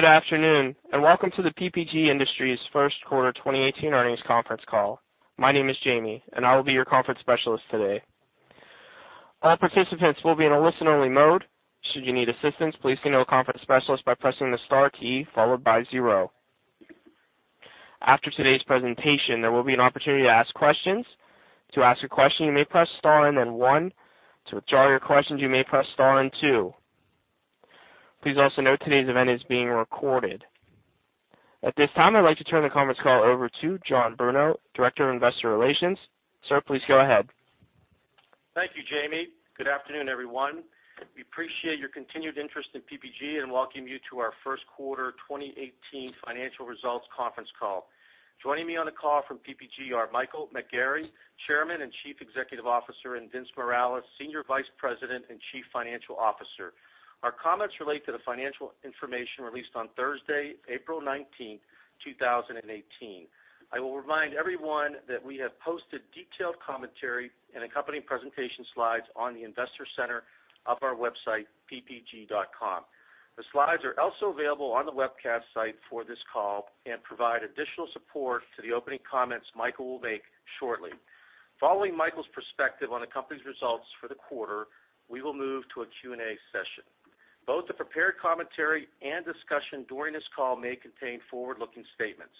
Good afternoon, welcome to the PPG Industries first quarter 2018 earnings conference call. My name is Jamie, and I will be your conference specialist today. All participants will be in a listen only mode. Should you need assistance, please let know a conference specialist by pressing the star key followed by zero. After today's presentation, there will be an opportunity to ask questions. To ask a question, you may press star and then one. To withdraw your questions, you may press star and two. Please also note today's event is being recorded. At this time, I'd like to turn the conference call over to John Bruno, Director of Investor Relations. Sir, please go ahead. Thank you, Jamie. Good afternoon, everyone. We appreciate your continued interest in PPG and welcome you to our first quarter 2018 financial results conference call. Joining me on the call from PPG are Michael McGarry, Chairman and Chief Executive Officer, and Vince Morales, Senior Vice President and Chief Financial Officer. Our comments relate to the financial information released on Thursday, April 19, 2018. I will remind everyone that we have posted detailed commentary and accompanying presentation slides on the investor center of our website, ppg.com. The slides are also available on the webcast site for this call and provide additional support to the opening comments Michael will make shortly. Following Michael's perspective on the company's results for the quarter, we will move to a Q&A session. Both the prepared commentary and discussion during this call may contain forward-looking statements,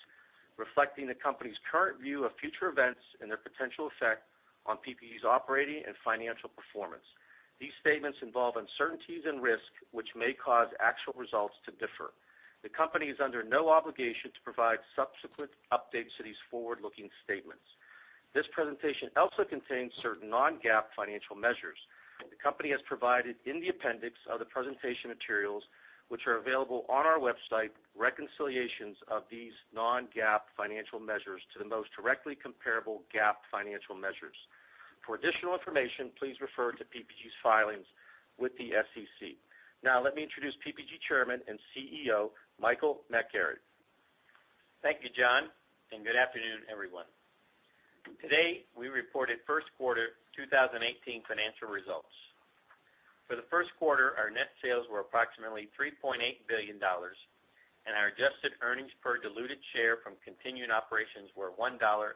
reflecting the company's current view of future events and their potential effect on PPG's operating and financial performance. These statements involve uncertainties and risk, which may cause actual results to differ. The company is under no obligation to provide subsequent updates to these forward-looking statements. This presentation also contains certain non-GAAP financial measures. The company has provided, in the appendix of the presentation materials, which are available on our website, reconciliations of these non-GAAP financial measures to the most directly comparable GAAP financial measures. For additional information, please refer to PPG's filings with the SEC. Let me introduce PPG Chairman and CEO, Michael McGarry. Thank you, John. Good afternoon, everyone. Today, we reported first quarter 2018 financial results. For the first quarter, our net sales were approximately $3.8 billion. Our adjusted earnings per diluted share from continuing operations were $1.39.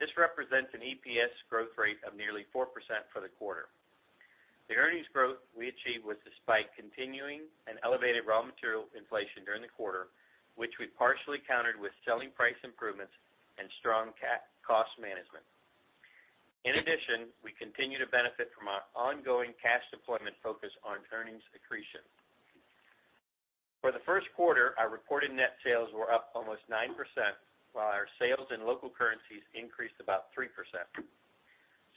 This represents an EPS growth rate of nearly 4% for the quarter. The earnings growth we achieved was despite continuing and elevated raw material inflation during the quarter, which we partially countered with selling price improvements and strong cost management. In addition, we continue to benefit from our ongoing cash deployment focus on earnings accretion. For the first quarter, our reported net sales were up almost 9%, while our sales in local currencies increased about 3%.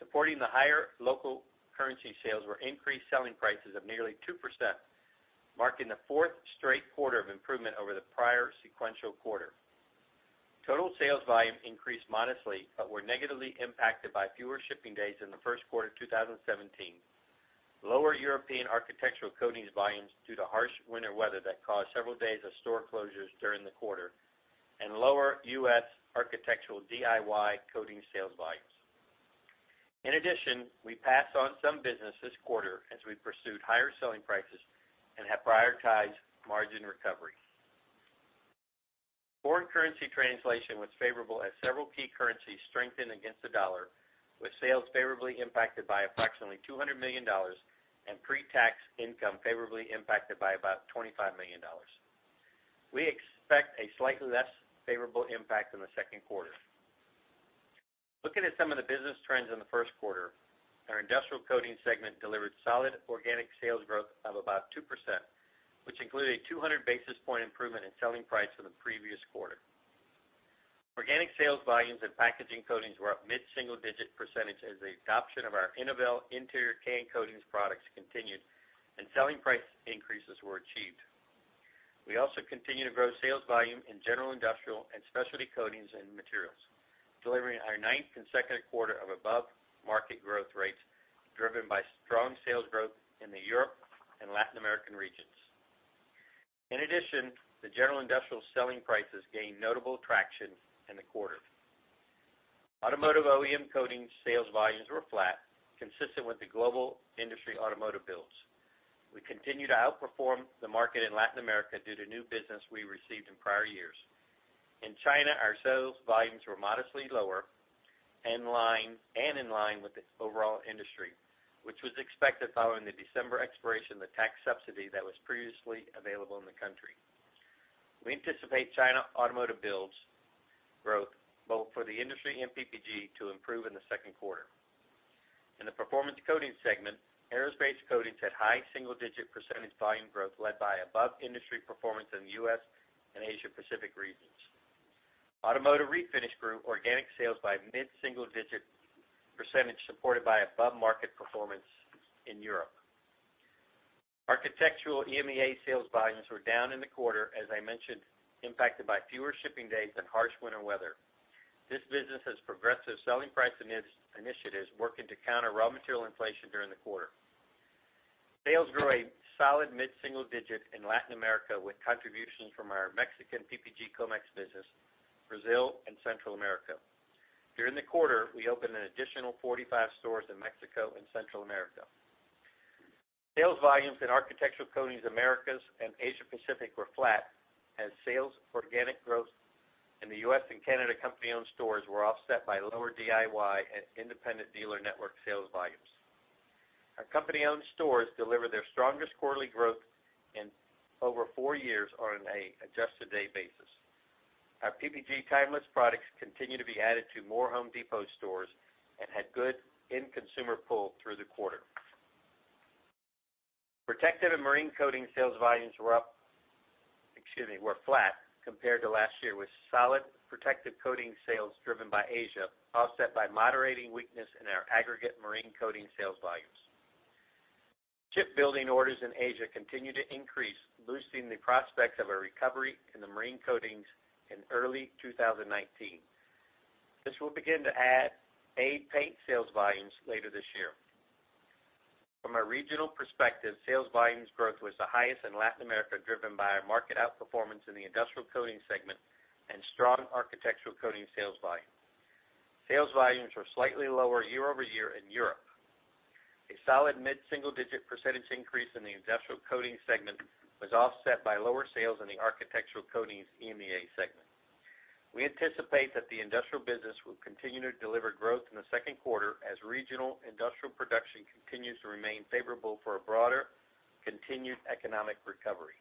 Supporting the higher local currency sales were increased selling prices of nearly 2%, marking the fourth straight quarter of improvement over the prior sequential quarter. Total sales volume increased modestly but were negatively impacted by fewer shipping days in the first quarter 2017. Lower European architectural coatings volumes due to harsh winter weather that caused several days of store closures during the quarter, and lower U.S. architectural DIY coating sales volumes. In addition, we passed on some business this quarter as we pursued higher selling prices and have prioritized margin recovery. Foreign currency translation was favorable as several key currencies strengthened against the dollar, with sales favorably impacted by approximately $200 million and pre-tax income favorably impacted by about $25 million. We expect a slightly less favorable impact in the second quarter. Looking at some of the business trends in the first quarter, our industrial coatings segment delivered solid organic sales growth of about 2%, which included a 200 basis point improvement in selling price from the previous quarter. Organic sales volumes and packaging coatings were up mid-single digit percentage as the adoption of our Innovel interior can coatings products continued and selling price increases were achieved. We also continue to grow sales volume in general industrial and specialty coatings and materials, delivering our ninth consecutive quarter of above-market growth rates, driven by strong sales growth in the Europe and Latin American regions. In addition, the general industrial selling prices gained notable traction in the quarter. Automotive OEM coatings sales volumes were flat, consistent with the global industry automotive builds. We continue to outperform the market in Latin America due to new business we received in prior years. In China, our sales volumes were modestly lower and in line with the overall industry, which was expected following the December expiration of the tax subsidy that was previously available in the country. We anticipate China automotive builds growth, both for the industry and PPG, to improve in the second quarter. In the performance coatings segment, aerospace coatings had high single-digit percentage volume growth led by above-industry performance in the U.S. and Asia Pacific regions. Automotive refinish grew organic sales by mid-single digit percentage, supported by above-market performance in Europe. Architectural EMEA sales volumes were down in the quarter, as I mentioned, impacted by fewer shipping days and harsh winter weather. This business has progressive selling price initiatives working to counter raw material inflation during the quarter. Sales grew a solid mid-single digit in Latin America with contributions from our Mexican PPG Comex business, Brazil, and Central America. During the quarter, we opened an additional 45 stores in Mexico and Central America. Sales volumes in Architectural Coatings Americas and Asia Pacific were flat as sales organic growth in the U.S. and Canada company-owned stores were offset by lower DIY and independent dealer network sales volumes. Our company-owned stores delivered their strongest quarterly growth in over four years on an adjusted day basis. Our PPG TIMELESS products continue to be added to more The Home Depot stores and had good end consumer pull through the quarter. Protective and marine coatings sales volumes were flat compared to last year with solid protective coating sales driven by Asia, offset by moderating weakness in our aggregate marine coatings sales volumes. Ship building orders in Asia continue to increase, boosting the prospects of a recovery in the marine coatings in early 2019. This will begin to aid paint sales volumes later this year. From a regional perspective, sales volumes growth was the highest in Latin America, driven by our market outperformance in the industrial coatings segment and strong architectural coatings sales volume. Sales volumes were slightly lower year-over-year in Europe. A solid mid-single-digit percentage increase in the industrial coatings segment was offset by lower sales in the architectural coatings EMEA segment. We anticipate that the industrial business will continue to deliver growth in the second quarter as regional industrial production continues to remain favorable for a broader, continued economic recovery.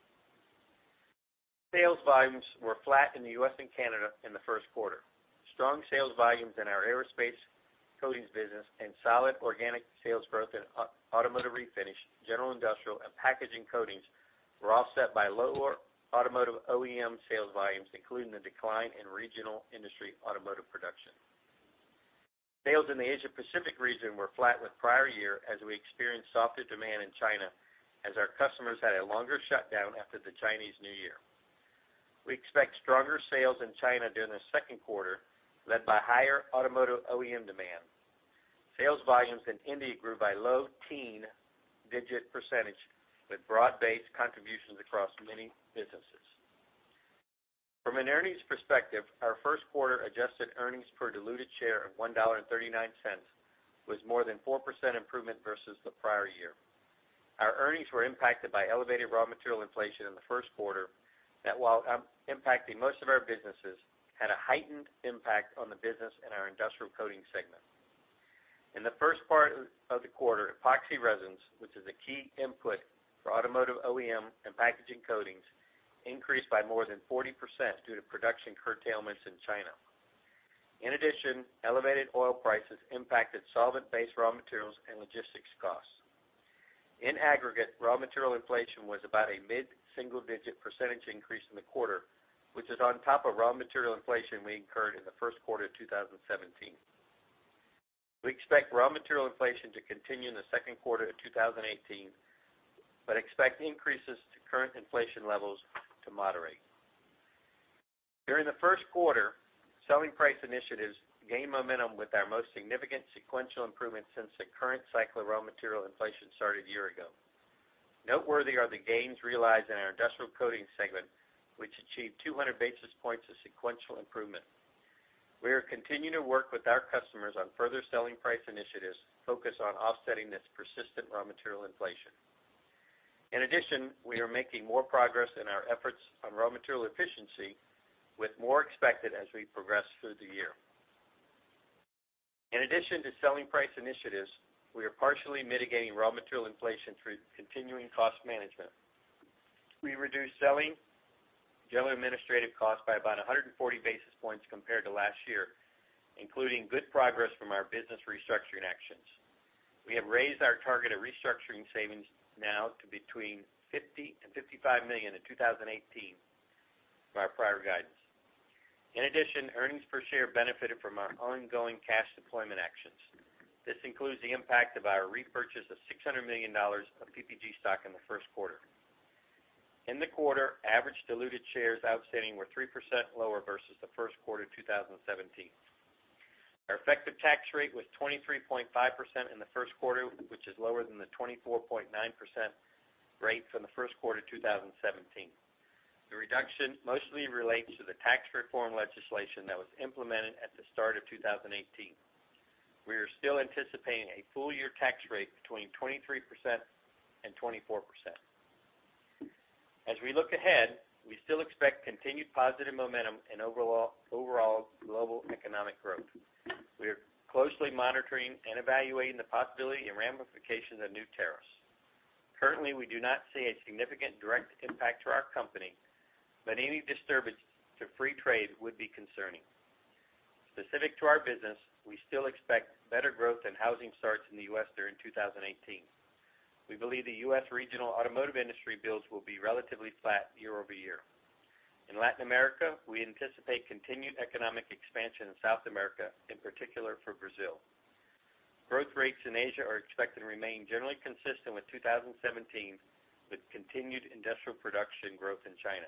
Sales volumes were flat in the U.S. and Canada in the first quarter. Strong sales volumes in our aerospace coatings business and solid organic sales growth in automotive refinish, general industrial, and packaging coatings were offset by lower automotive OEM sales volumes, including the decline in regional industry automotive production. Sales in the Asia Pacific region were flat with prior year as we experienced softer demand in China as our customers had a longer shutdown after the Chinese New Year. We expect stronger sales in China during the second quarter, led by higher automotive OEM demand. Sales volumes in India grew by low-teen digit percentage with broad-based contributions across many businesses. From an earnings perspective, our first quarter adjusted earnings per diluted share of $1.39 was more than 4% improvement versus the prior year. Our earnings were impacted by elevated raw material inflation in the first quarter that, while impacting most of our businesses, had a heightened impact on the business in our industrial coatings segment. In the first part of the quarter, epoxy resins, which is a key input for automotive OEM and packaging coatings, increased by more than 40% due to production curtailments in China. In addition, elevated oil prices impacted solvent-based raw materials and logistics costs. In aggregate, raw material inflation was about a mid-single-digit percentage increase in the quarter, which is on top of raw material inflation we incurred in the first quarter of 2017. We expect raw material inflation to continue in the second quarter of 2018, expect increases to current inflation levels to moderate. During the first quarter, selling price initiatives gained momentum with our most significant sequential improvement since the current cycle of raw material inflation started a year ago. Noteworthy are the gains realized in our industrial coatings segment, which achieved 200 basis points of sequential improvement. We are continuing to work with our customers on further selling price initiatives focused on offsetting this persistent raw material inflation. In addition, we are making more progress in our efforts on raw material efficiency, with more expected as we progress through the year. In addition to selling price initiatives, we are partially mitigating raw material inflation through continuing cost management. We reduced selling general administrative costs by about 140 basis points compared to last year, including good progress from our business restructuring actions. We have raised our target of restructuring savings now to between $50 million and $55 million in 2018 from our prior guidance. In addition, earnings per share benefited from our ongoing cash deployment actions. This includes the impact of our repurchase of $600 million of PPG stock in the first quarter. In the quarter, average diluted shares outstanding were 3% lower versus the first quarter of 2017. Our effective tax rate was 23.5% in the first quarter, which is lower than the 24.9% rate from the first quarter of 2017. The reduction mostly relates to the tax reform legislation that was implemented at the start of 2018. We are still anticipating a full year tax rate between 23% and 24%. As we look ahead, we still expect continued positive momentum in overall global economic growth. We are closely monitoring and evaluating the possibility and ramifications of new tariffs. Currently, we do not see a significant direct impact to our company, but any disturbance to free trade would be concerning. Specific to our business, we still expect better growth in housing starts in the U.S. during 2018. We believe the U.S. regional automotive industry builds will be relatively flat year-over-year. In Latin America, we anticipate continued economic expansion in South America, in particular for Brazil. Growth rates in Asia are expected to remain generally consistent with 2017, with continued industrial production growth in China.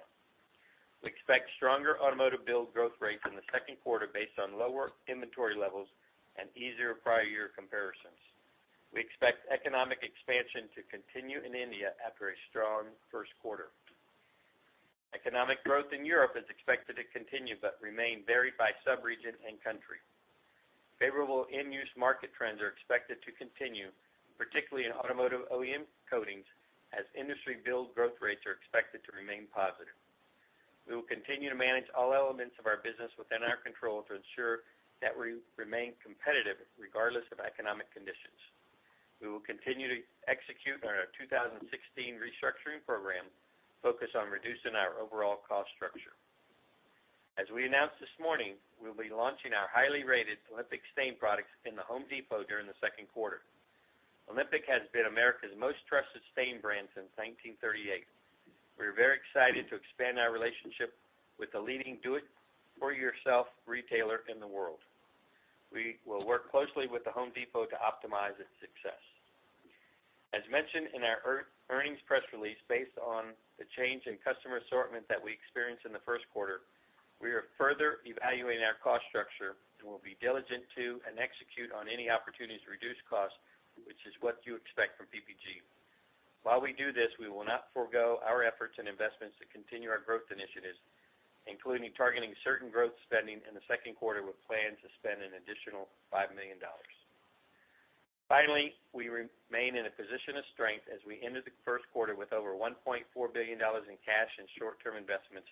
We expect stronger automotive build growth rates in the second quarter based on lower inventory levels and easier prior year comparisons. We expect economic expansion to continue in India after a strong first quarter. Economic growth in Europe is expected to continue but remain varied by sub-region and country. Favorable end-use market trends are expected to continue, particularly in automotive OEM coatings, as industry build growth rates are expected to remain positive. We will continue to manage all elements of our business within our control to ensure that we remain competitive regardless of economic conditions. We will continue to execute on our 2016 restructuring program focused on reducing our overall cost structure. As we announced this morning, we'll be launching our highly rated Olympic stain products in The Home Depot during the second quarter. Olympic has been America's most trusted stain brand since 1938. We are very excited to expand our relationship with the leading do it for yourself retailer in the world. We will work closely with The Home Depot to optimize its success. As mentioned in our earnings press release, based on the change in customer assortment that we experienced in the first quarter, we are further evaluating our cost structure and will be diligent to and execute on any opportunities to reduce costs, which is what you expect from PPG. While we do this, we will not forego our efforts and investments to continue our growth initiatives, including targeting certain growth spending in the second quarter with plans to spend an additional $5 million. Finally, we remain in a position of strength as we ended the first quarter with over $1.4 billion in cash and short-term investments,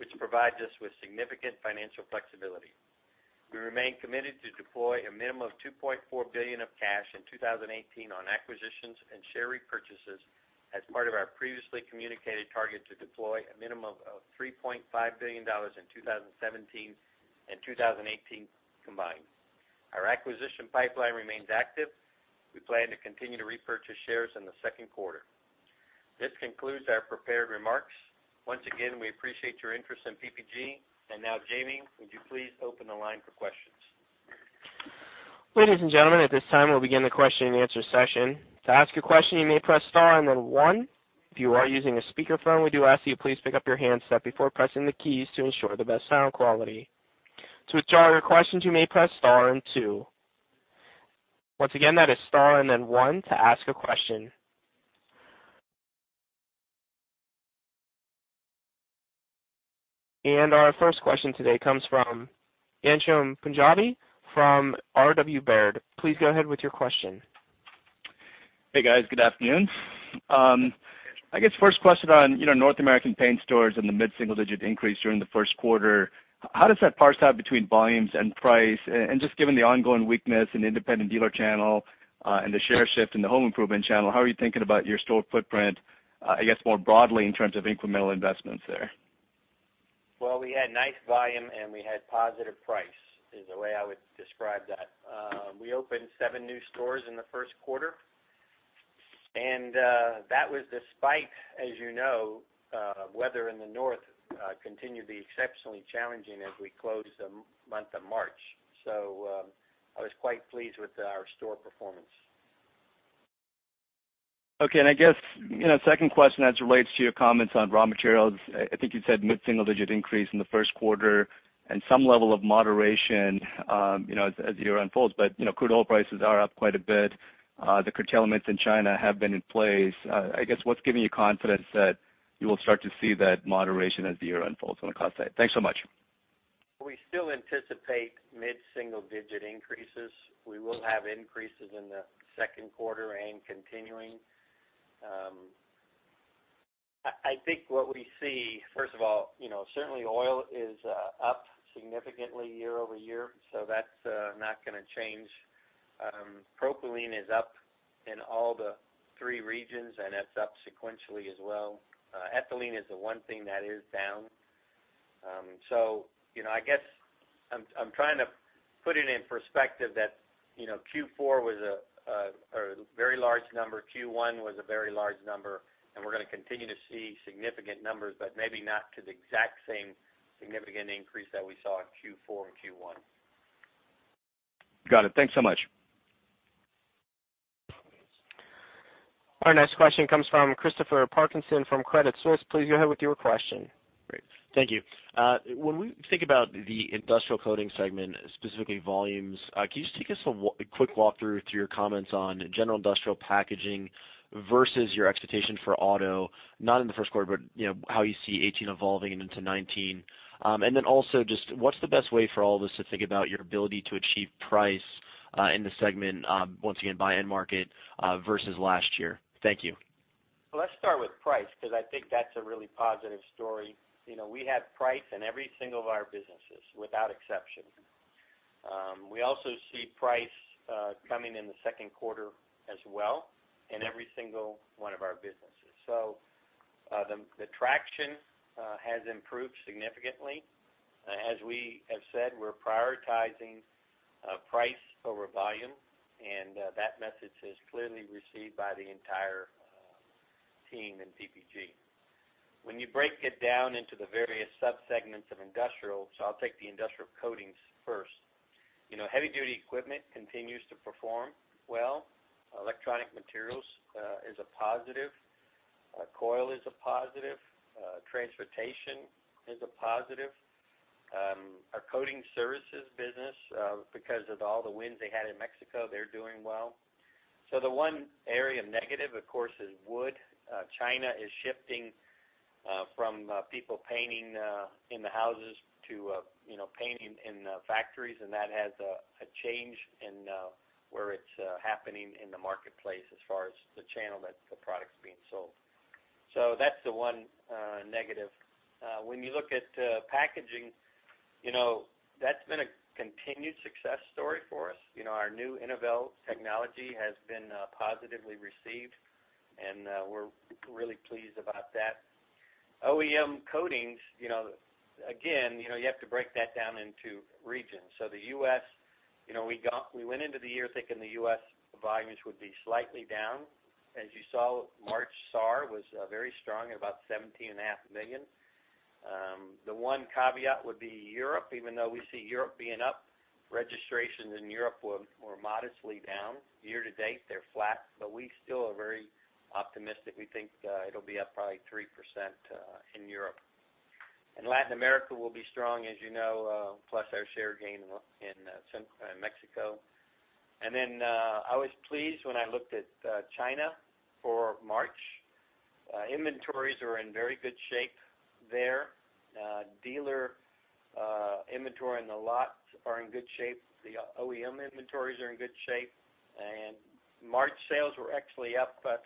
which provides us with significant financial flexibility. We remain committed to deploy a minimum of $2.4 billion of cash in 2018 on acquisitions and share repurchases as part of our previously communicated target to deploy a minimum of $3.5 billion in 2017 and 2018 combined. Our acquisition pipeline remains active. We plan to continue to repurchase shares in the second quarter. This concludes our prepared remarks. Once again, we appreciate your interest in PPG. Now, Jamie, would you please open the line for questions? Ladies and gentlemen, at this time, we'll begin the question and answer session. To ask a question, you may press star and then one. If you are using a speakerphone, we do ask that you please pick up your handset before pressing the keys to ensure the best sound quality. To withdraw your questions, you may press star and two. Once again, that is star and then one to ask a question. Our first question today comes from Ghansham Panjabi from R.W. Baird. Please go ahead with your question. Hey, guys. Good afternoon. I guess first question on North American Paint Stores and the mid-single-digit increase during the first quarter. How does that parse out between volumes and price? Just given the ongoing weakness in independent dealer channel and the share shift in the home improvement channel, how are you thinking about your store footprint, I guess, more broadly in terms of incremental investments there? Well, we had nice volume and we had positive price, is the way I would describe that. We opened seven new stores in the first quarter, that was despite, as you know, weather in the north continued to be exceptionally challenging as we closed the month of March. I was quite pleased with our store performance. Okay, I guess, second question as it relates to your comments on raw materials. I think you said mid-single-digit increase in the first quarter and some level of moderation as the year unfolds. Crude oil prices are up quite a bit. The curtailments in China have been in place. I guess, what's giving you confidence that you will start to see that moderation as the year unfolds on the cost side? Thanks so much. We still anticipate mid-single-digit increases. We will have increases in the second quarter and continuing. I think what we see, first of all, certainly oil is up significantly year-over-year, that's not going to change. Propylene is up in all the three regions, and that's up sequentially as well. Ethylene is the one thing that is down. I guess I'm trying to put it in perspective that Q4 was a very large number, Q1 was a very large number, and we're going to continue to see significant numbers, but maybe not to the exact same significant increase that we saw in Q4 and Q1. Got it. Thanks so much. Our next question comes from Christopher Parkinson from Credit Suisse. Please go ahead with your question. Great. Thank you. When we think about the industrial coatings segment, specifically volumes, can you just take us a quick walkthrough through your comments on general industrial packaging versus your expectation for auto, not in the first quarter, but how you see 2018 evolving and into 2019? Then also, just what's the best way for all of us to think about your ability to achieve price in the segment, once again, by end market versus last year? Thank you. Let's start with price, because I think that's a really positive story. We had price in every single of our businesses without exception. We also see price coming in the second quarter as well in every single one of our businesses. The traction has improved significantly. As we have said, we're prioritizing price over volume, and that message is clearly received by the entire team in PPG. When you break it down into the various sub-segments of industrial, I'll take the industrial coatings first. Heavy-duty equipment continues to perform well. Electronic materials is a positive. Coil is a positive. Transportation is a positive. Our coating services business, because of all the wins they had in Mexico, they're doing well. The one area negative, of course, is wood. China is shifting from people painting in the houses to painting in factories, and that has a change in where it's happening in the marketplace as far as the channel that the product's being sold. That's the one negative. When you look at packaging, that's been a continued success story for us. Our new Innovel technology has been positively received, and we're really pleased about that. OEM coatings, again, you have to break that down into regions. The U.S., we went into the year thinking the U.S. volumes would be slightly down. As you saw, March SAAR was very strong, about 17.5 million. The one caveat would be Europe. Even though we see Europe being up, registrations in Europe were modestly down. Year to date, they're flat, but we still are very optimistic. We think it'll be up probably 3% in Europe. Latin America will be strong, as you know, plus our share gain in Mexico. I was pleased when I looked at China for March. Inventories are in very good shape there. Dealer inventory and the lots are in good shape. The OEM inventories are in good shape. March sales were actually up 3%.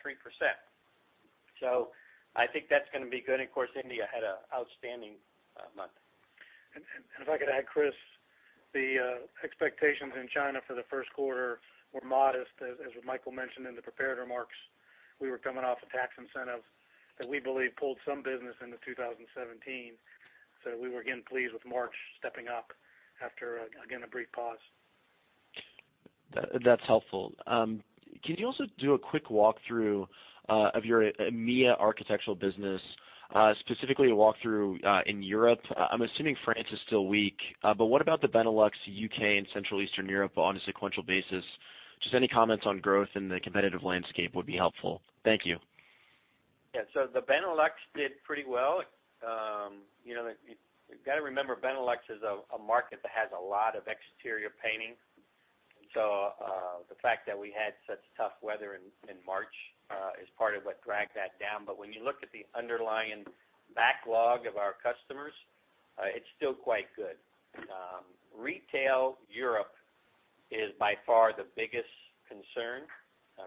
I think that's going to be good. Of course, India had an outstanding month. If I could add, Chris, the expectations in China for the first quarter were modest. As Michael mentioned in the prepared remarks, we were coming off a tax incentive that we believe pulled some business into 2017. We were, again, pleased with March stepping up after, again, a brief pause. That's helpful. Can you also do a quick walkthrough of your EMEA architectural business, specifically a walkthrough in Europe? I'm assuming France is still weak. What about the Benelux, U.K., and Central Eastern Europe on a sequential basis? Just any comments on growth in the competitive landscape would be helpful. Thank you. Yeah. The Benelux did pretty well. You've got to remember, Benelux is a market that has a lot of exterior painting. The fact that we had such tough weather in March is part of what dragged that down. When you look at the underlying backlog of our customers, it's still quite good. Retail Europe is by far the biggest concern.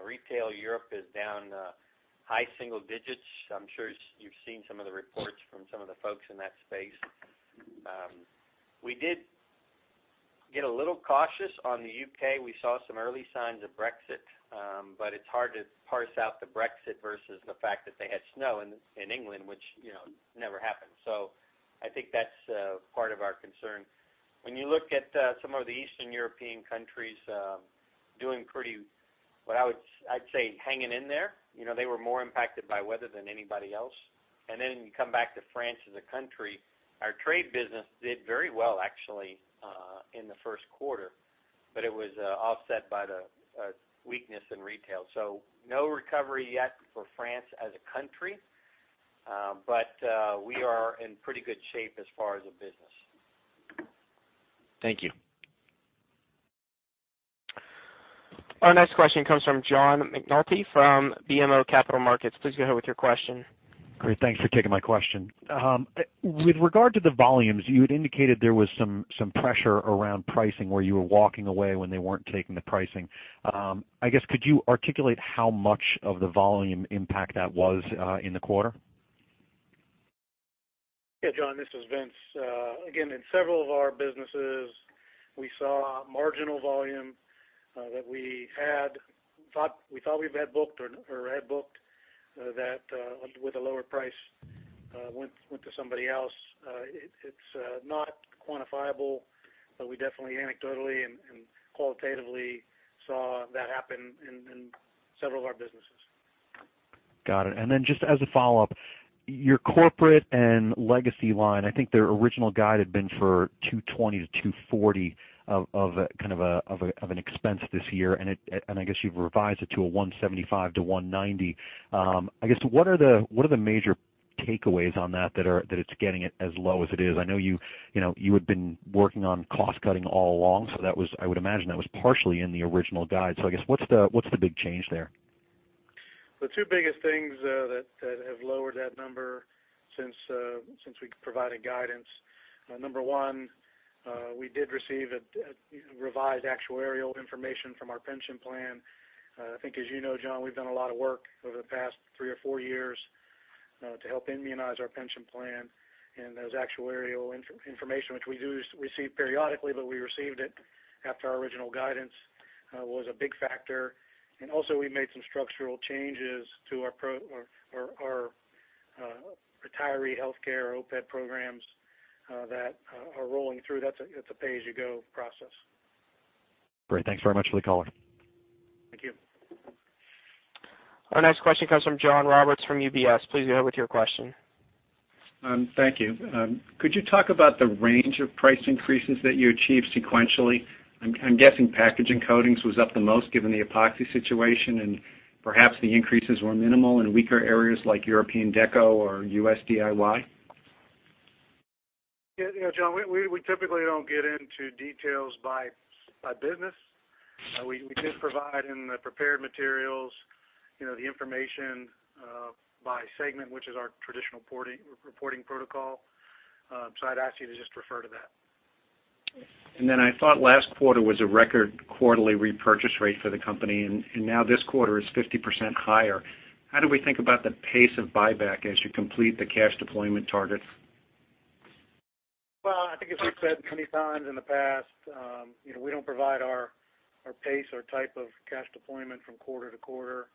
Retail Europe is down high single digits. I'm sure you've seen some of the reports from some of the folks in that space. We did get a little cautious on the U.K. We saw some early signs of Brexit. It's hard to parse out the Brexit versus the fact that they had snow in England, which never happens. I think that's part of our concern. When you look at some of the Eastern European countries, doing pretty, what I'd say, hanging in there. They were more impacted by weather than anybody else. When you come back to France as a country, our trade business did very well, actually, in the first quarter. It was offset by the weakness in retail. No recovery yet for France as a country. We are in pretty good shape as far as the business. Thank you. Our next question comes from John McNulty from BMO Capital Markets. Please go ahead with your question. Great. Thanks for taking my question. With regard to the volumes, you had indicated there was some pressure around pricing where you were walking away when they weren't taking the pricing. I guess could you articulate how much of the volume impact that was in the quarter? John, this is Vince. In several of our businesses, we saw marginal volume that we thought we've had booked or had booked that with a lower price, went to somebody else. It's not quantifiable, but we definitely anecdotally and qualitatively saw that happen in several of our businesses. Got it. Just as a follow-up, your corporate and legacy line, I think their original guide had been for $220-$240 of an expense this year, I guess you've revised it to a $175-$190. I guess, what are the major takeaways on that it's getting it as low as it is? I know you had been working on cost-cutting all along, so I would imagine that was partially in the original guide. I guess, what's the big change there? The two biggest things that have lowered that number since we provided guidance, number one, we did receive revised actuarial information from our pension plan. I think as you know, John, we've done a lot of work over the past three or four years to help immunize our pension plan. Those actuarial information, which we do receive periodically, but we received it after our original guidance, was a big factor. Also, we made some structural changes to our retiree healthcare OPEB programs that are rolling through. That's a pay-as-you-go process. Great. Thanks very much for the color. Thank you. Our next question comes from John Roberts from UBS. Please go ahead with your question. Thank you. Could you talk about the range of price increases that you achieved sequentially? I'm guessing packaging coatings was up the most given the epoxy situation, and perhaps the increases were minimal in weaker areas like European deco or U.S. DIY. Yeah, John, we typically don't get into details by business. We did provide in the prepared materials, the information by segment, which is our traditional reporting protocol. I'd ask you to just refer to that. I thought last quarter was a record quarterly repurchase rate for the company, and now this quarter is 50% higher. How do we think about the pace of buyback as you complete the cash deployment targets? Well, I think as we've said many times in the past, we don't provide our pace or type of cash deployment from quarter to quarter.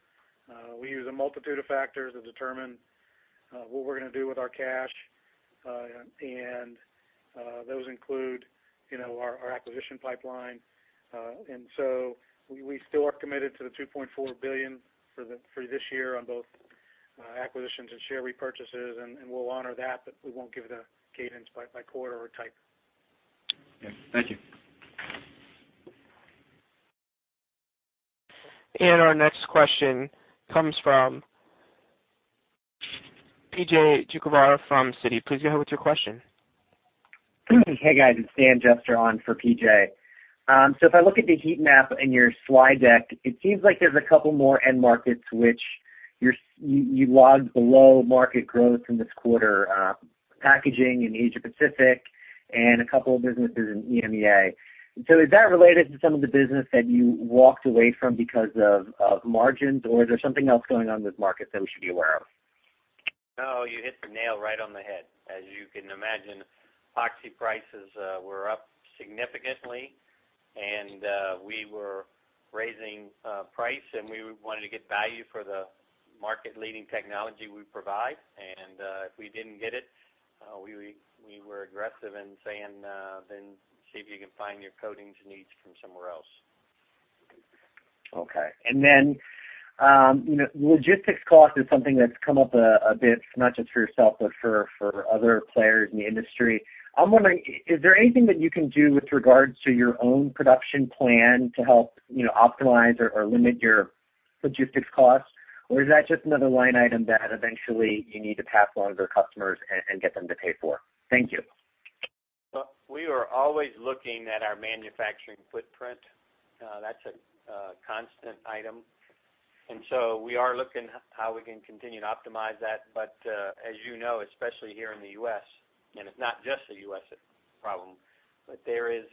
We use a multitude of factors to determine what we're going to do with our cash. Those include our acquisition pipeline. We still are committed to the $2.4 billion for this year on both acquisitions and share repurchases, and we'll honor that, but we won't give the guidance by quarter or type. Okay, thank you. Our next question comes from PJ Tuccarato from Citi. Please go ahead with your question. Hey, guys. It's Dan Jester on for PJ. If I look at the heat map in your slide deck, it seems like there's a couple more end markets which you logged below market growth in this quarter, packaging in Asia Pacific and a couple of businesses in EMEA. Is that related to some of the business that you walked away from because of margins? Or is there something else going on with markets that we should be aware of? No, you hit the nail right on the head. As you can imagine, epoxy prices were up significantly, and we were raising price, and we wanted to get value for the market-leading technology we provide. If we didn't get it, we were aggressive in saying, then see if you can find your coatings needs from somewhere else. Okay. Logistics cost is something that's come up a bit, not just for yourself, but for other players in the industry. I'm wondering, is there anything that you can do with regards to your own production plan to help optimize or limit your logistics costs? Is that just another line item that eventually you need to pass along to customers and get them to pay for? Thank you. Well, we are always looking at our manufacturing footprint. That's a constant item. We are looking how we can continue to optimize that. As you know, especially here in the U.S., and it's not just a U.S. problem, there is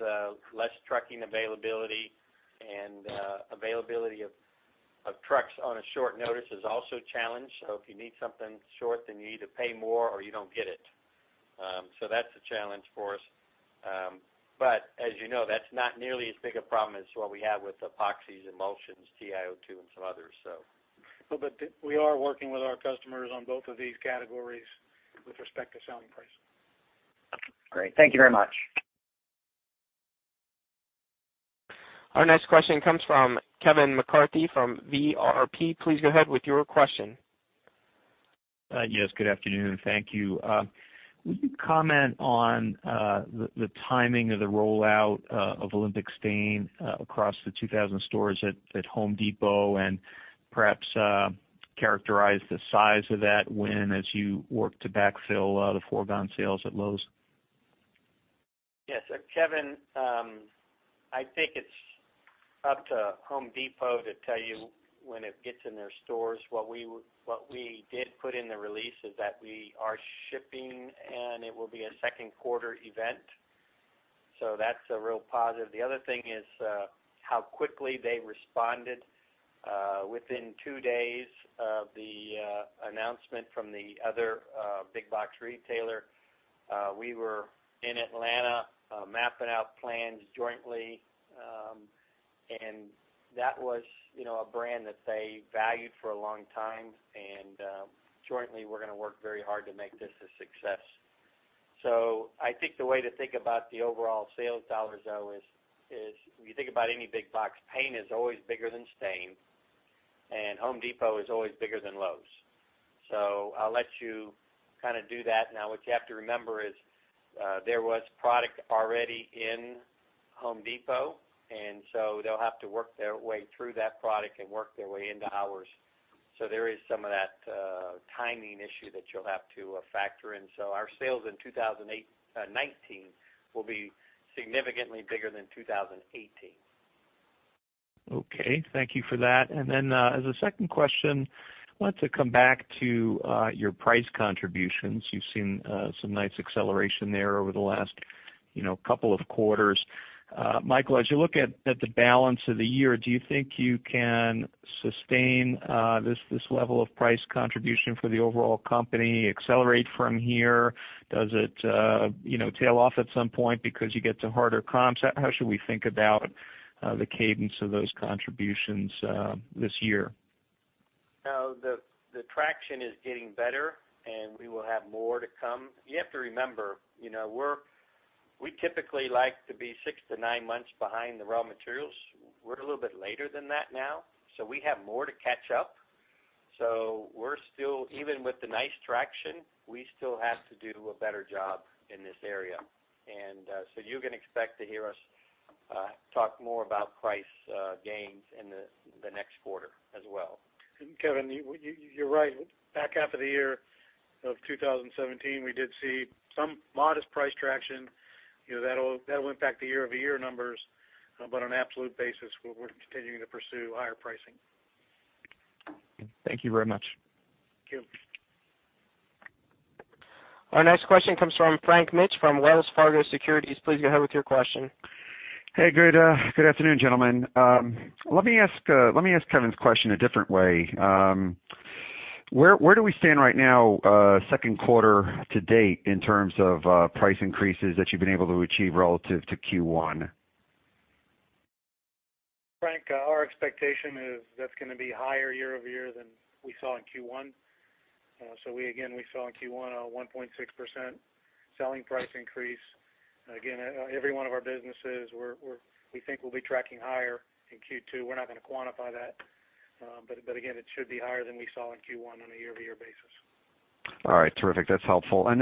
less trucking availability, and availability of trucks on a short notice is also challenged. If you need something short, you need to pay more or you don't get it. That's a challenge for us. As you know, that's not nearly as big a problem as what we have with epoxies, emulsions, TiO2, and some others. We are working with our customers on both of these categories with respect to selling price. Great. Thank you very much. Our next question comes from Kevin McCarthy from VRP. Please go ahead with your question. Yes, good afternoon. Thank you. Would you comment on the timing of the rollout of Olympic Stain across the 2,000 stores at Home Depot and perhaps characterize the size of that win as you work to backfill the foregone sales at Lowe's? Yes. Kevin, I think it's up to Home Depot to tell you when it gets in their stores. What we did put in the release is that we are shipping, and it will be a second quarter event. That's a real positive. The other thing is, how quickly they responded. Within two days of the announcement from the other big box retailer, we were in Atlanta mapping out plans jointly. That was a brand that they valued for a long time, and jointly, we're going to work very hard to make this a success. I think the way to think about the overall sales dollars, though, is if you think about any big box, paint is always bigger than stain, and Home Depot is always bigger than Lowe's. I'll let you kind of do that. Now, what you have to remember is, there was product already in Home Depot, and they'll have to work their way through that product and work their way into ours. There is some of that timing issue that you'll have to factor in. Our sales in 2019 will be significantly bigger than 2018. Okay. Thank you for that. As a second question, I wanted to come back to your price contributions. You've seen some nice acceleration there over the last couple of quarters. Michael, as you look at the balance of the year, do you think you can sustain this level of price contribution for the overall company, accelerate from here? Does it tail off at some point because you get to harder comps? How should we think about the cadence of those contributions this year? The traction is getting better, and we will have more to come. You have to remember, we typically like to be six to nine months behind the raw materials. We're a little bit later than that now, we have more to catch up. We're still, even with the nice traction, we still have to do a better job in this area. You can expect to hear us- To talk more about price gains in the next quarter as well. Kevin, you're right. Back half of the year of 2017, we did see some modest price traction. That'll impact the year-over-year numbers. On an absolute basis, we're continuing to pursue higher pricing. Thank you very much. Thank you. Our next question comes from Frank Mitsch from Wells Fargo Securities. Please go ahead with your question. Hey, good afternoon, gentlemen. Let me ask Kevin's question a different way. Where do we stand right now, second quarter to date, in terms of price increases that you've been able to achieve relative to Q1? Frank, our expectation is that's going to be higher year-over-year than we saw in Q1. Again, we saw in Q1 a 1.6% selling price increase. Again, every one of our businesses, we think we'll be tracking higher in Q2. We're not going to quantify that. Again, it should be higher than we saw in Q1 on a year-over-year basis. All right, terrific. That's helpful. I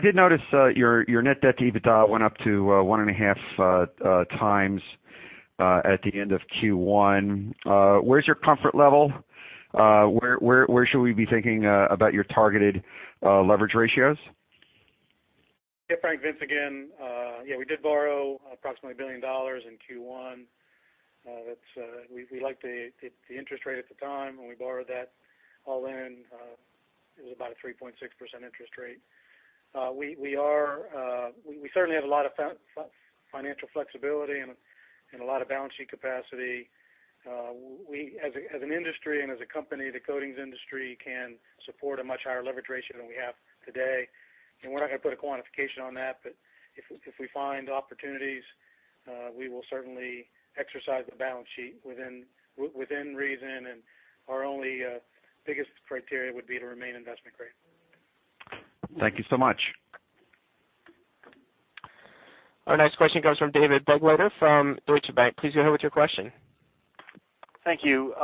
did notice your net debt to EBITDA went up to 1.5x at the end of Q1. Where's your comfort level? Where should we be thinking about your targeted leverage ratios? Yeah, Frank, Vince again. Yeah, we did borrow approximately $1 billion in Q1. We liked the interest rate at the time when we borrowed that. All in, it was about a 3.6% interest rate. We certainly have a lot of financial flexibility and a lot of balance sheet capacity. As an industry and as a company, the coatings industry can support a much higher leverage ratio than we have today. We're not going to put a quantification on that, but if we find opportunities, we will certainly exercise the balance sheet within reason, and our only biggest criteria would be to remain investment grade. Thank you so much. Our next question comes from David Begleiter from Deutsche Bank. Please go ahead with your question. Thank you.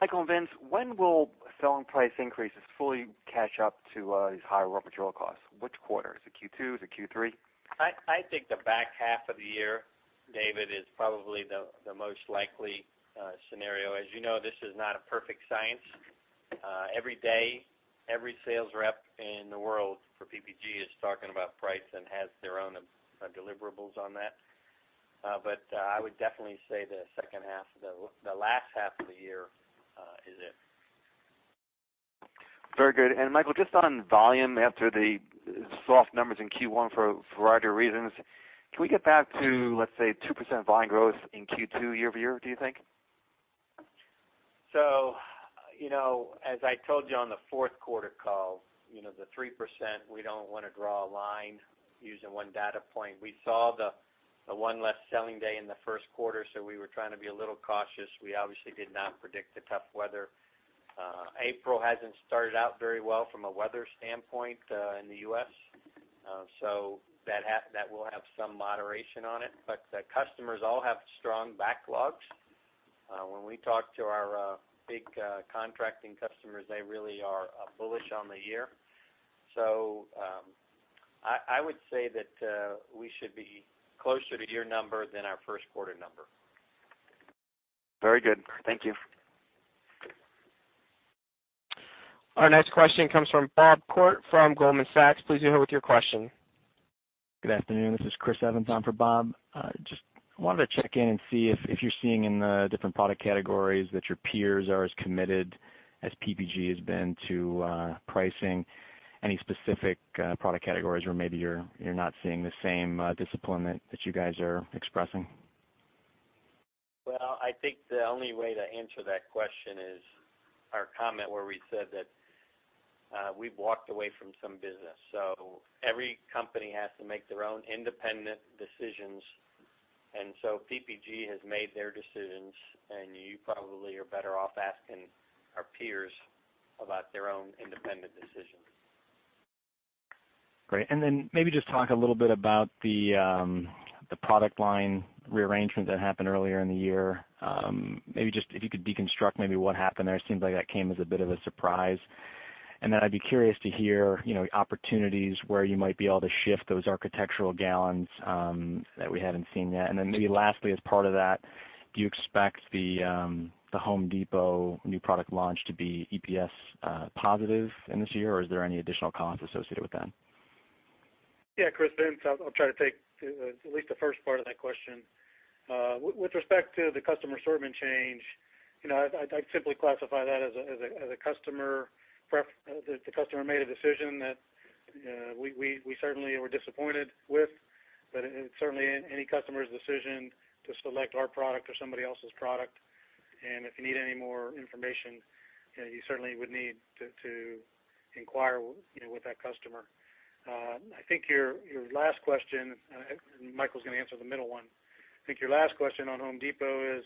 Michael and Vince, when will selling price increases fully catch up to these higher raw material costs? Which quarter? Is it Q2? Is it Q3? I think the back half of the year, David, is probably the most likely scenario. As you know, this is not a perfect science. Every day, every sales rep in the world for PPG is talking about price and has their own deliverables on that. I would definitely say the last half of the year is it. Very good. Michael, just on volume after the soft numbers in Q1 for a variety of reasons, can we get back to, let's say, 2% volume growth in Q2 year-over-year, do you think? As I told you on the fourth quarter call, the 3%, we don't want to draw a line using one data point. We saw the one less selling day in the first quarter, we were trying to be a little cautious. We obviously did not predict the tough weather. April hasn't started out very well from a weather standpoint in the U.S., that will have some moderation on it. The customers all have strong backlogs. When we talk to our big contracting customers, they really are bullish on the year. I would say that we should be closer to your number than our first quarter number. Very good. Thank you. Our next question comes from Bob Koort from Goldman Sachs. Please go ahead with your question. Good afternoon. This is Chris Evans on for Bob. Just wanted to check in and see if you're seeing in the different product categories that your peers are as committed as PPG has been to pricing. Any specific product categories where maybe you're not seeing the same disappointment that you guys are expressing? I think the only way to answer that question is our comment where we said that we've walked away from some business. Every company has to make their own independent decisions, PPG has made their decisions, and you probably are better off asking our peers about their own independent decisions. Great. Maybe just talk a little bit about the product line rearrangement that happened earlier in the year. Maybe just if you could deconstruct maybe what happened there. It seems like that came as a bit of a surprise. I'd be curious to hear opportunities where you might be able to shift those architectural gallons that we haven't seen yet. Maybe lastly, as part of that, do you expect The Home Depot new product launch to be EPS positive in this year? Is there any additional costs associated with that? Yeah, Chris, Vince. I'll try to take at least the first part of that question. With respect to the customer assortment change, I'd simply classify that as the customer made a decision that we certainly were disappointed with, it's certainly any customer's decision to select our product or somebody else's product. If you need any more information, you certainly would need to inquire with that customer. I think your last question, Michael's going to answer the middle one. I think your last question on Home Depot is,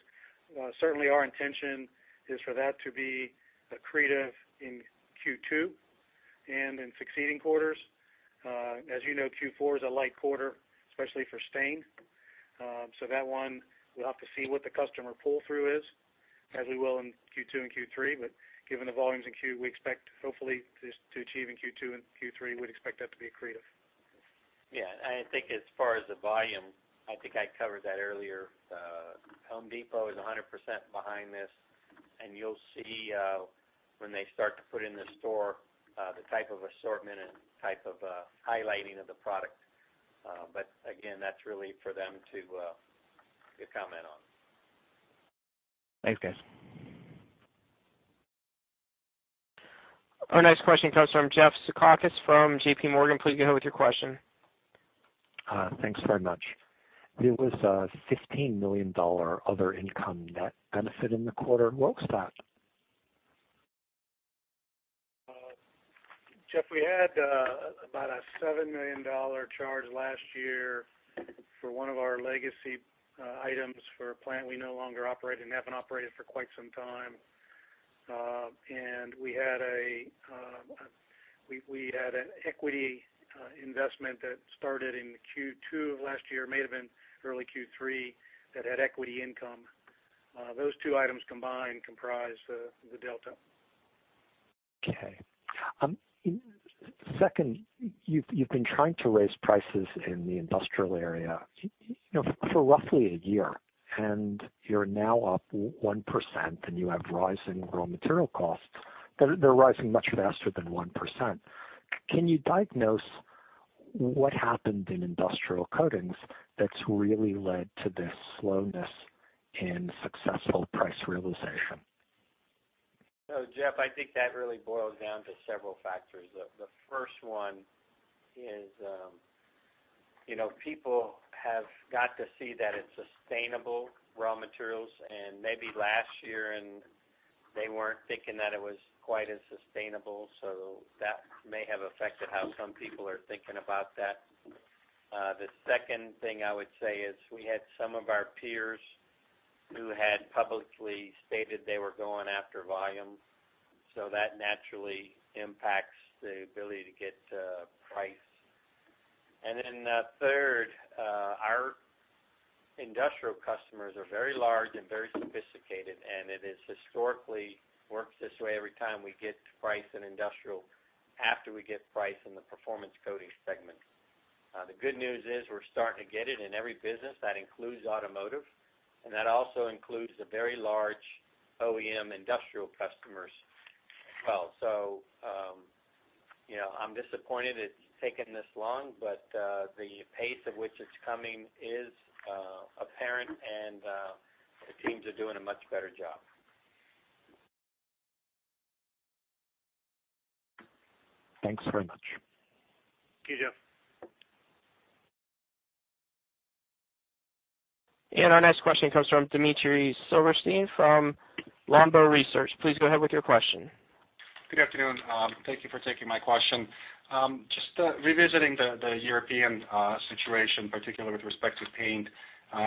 certainly our intention is for that to be accretive in Q2 and in succeeding quarters. As you know, Q4 is a light quarter, especially for stain. That one, we'll have to see what the customer pull-through is. As we will in Q2 and Q3. Given the volumes we expect hopefully to achieve in Q2 and Q3, we'd expect that to be accretive. I think as far as the volume, I think I covered that earlier. The Home Depot is 100% behind this, and you'll see when they start to put in the store, the type of assortment and type of highlighting of the product. Again, that's really for them to comment on. Thanks, guys. Our next question comes from Jeff Zekauskas from JPMorgan. Please go ahead with your question. Thanks very much. There was a $15 million other income net benefit in the quarter. Where was that? Jeff, we had about a $7 million charge last year for one of our legacy items for a plant we no longer operate and haven't operated for quite some time. We had an equity investment that started in Q2 of last year, may have been early Q3, that had equity income. Those two items combined comprise the delta. Okay. Second, you've been trying to raise prices in the industrial area for roughly a year. You're now up 1%, and you have rising raw material costs. They're rising much faster than 1%. Can you diagnose what happened in industrial coatings that's really led to this slowness in successful price realization? Jeff, I think that really boils down to several factors. The first one is, people have got to see that it's sustainable raw materials. Maybe last year they weren't thinking that it was quite as sustainable, that may have affected how some people are thinking about that. The second thing I would say is we had some of our peers who had publicly stated they were going after volume, that naturally impacts the ability to get price. The third, our industrial customers are very large and very sophisticated, and it historically works this way every time we get to price in industrial, after we get price in the performance coatings segment. The good news is we're starting to get it in every business. That includes automotive, and that also includes the very large OEM industrial customers as well. I'm disappointed it's taken this long, the pace at which it's coming is apparent, the teams are doing a much better job. Thanks very much. Thank you, Jeff. Our next question comes from Dmitry Silversteyn from Longbow Research. Please go ahead with your question. Good afternoon. Thank you for taking my question. Just revisiting the European situation, particularly with respect to paint.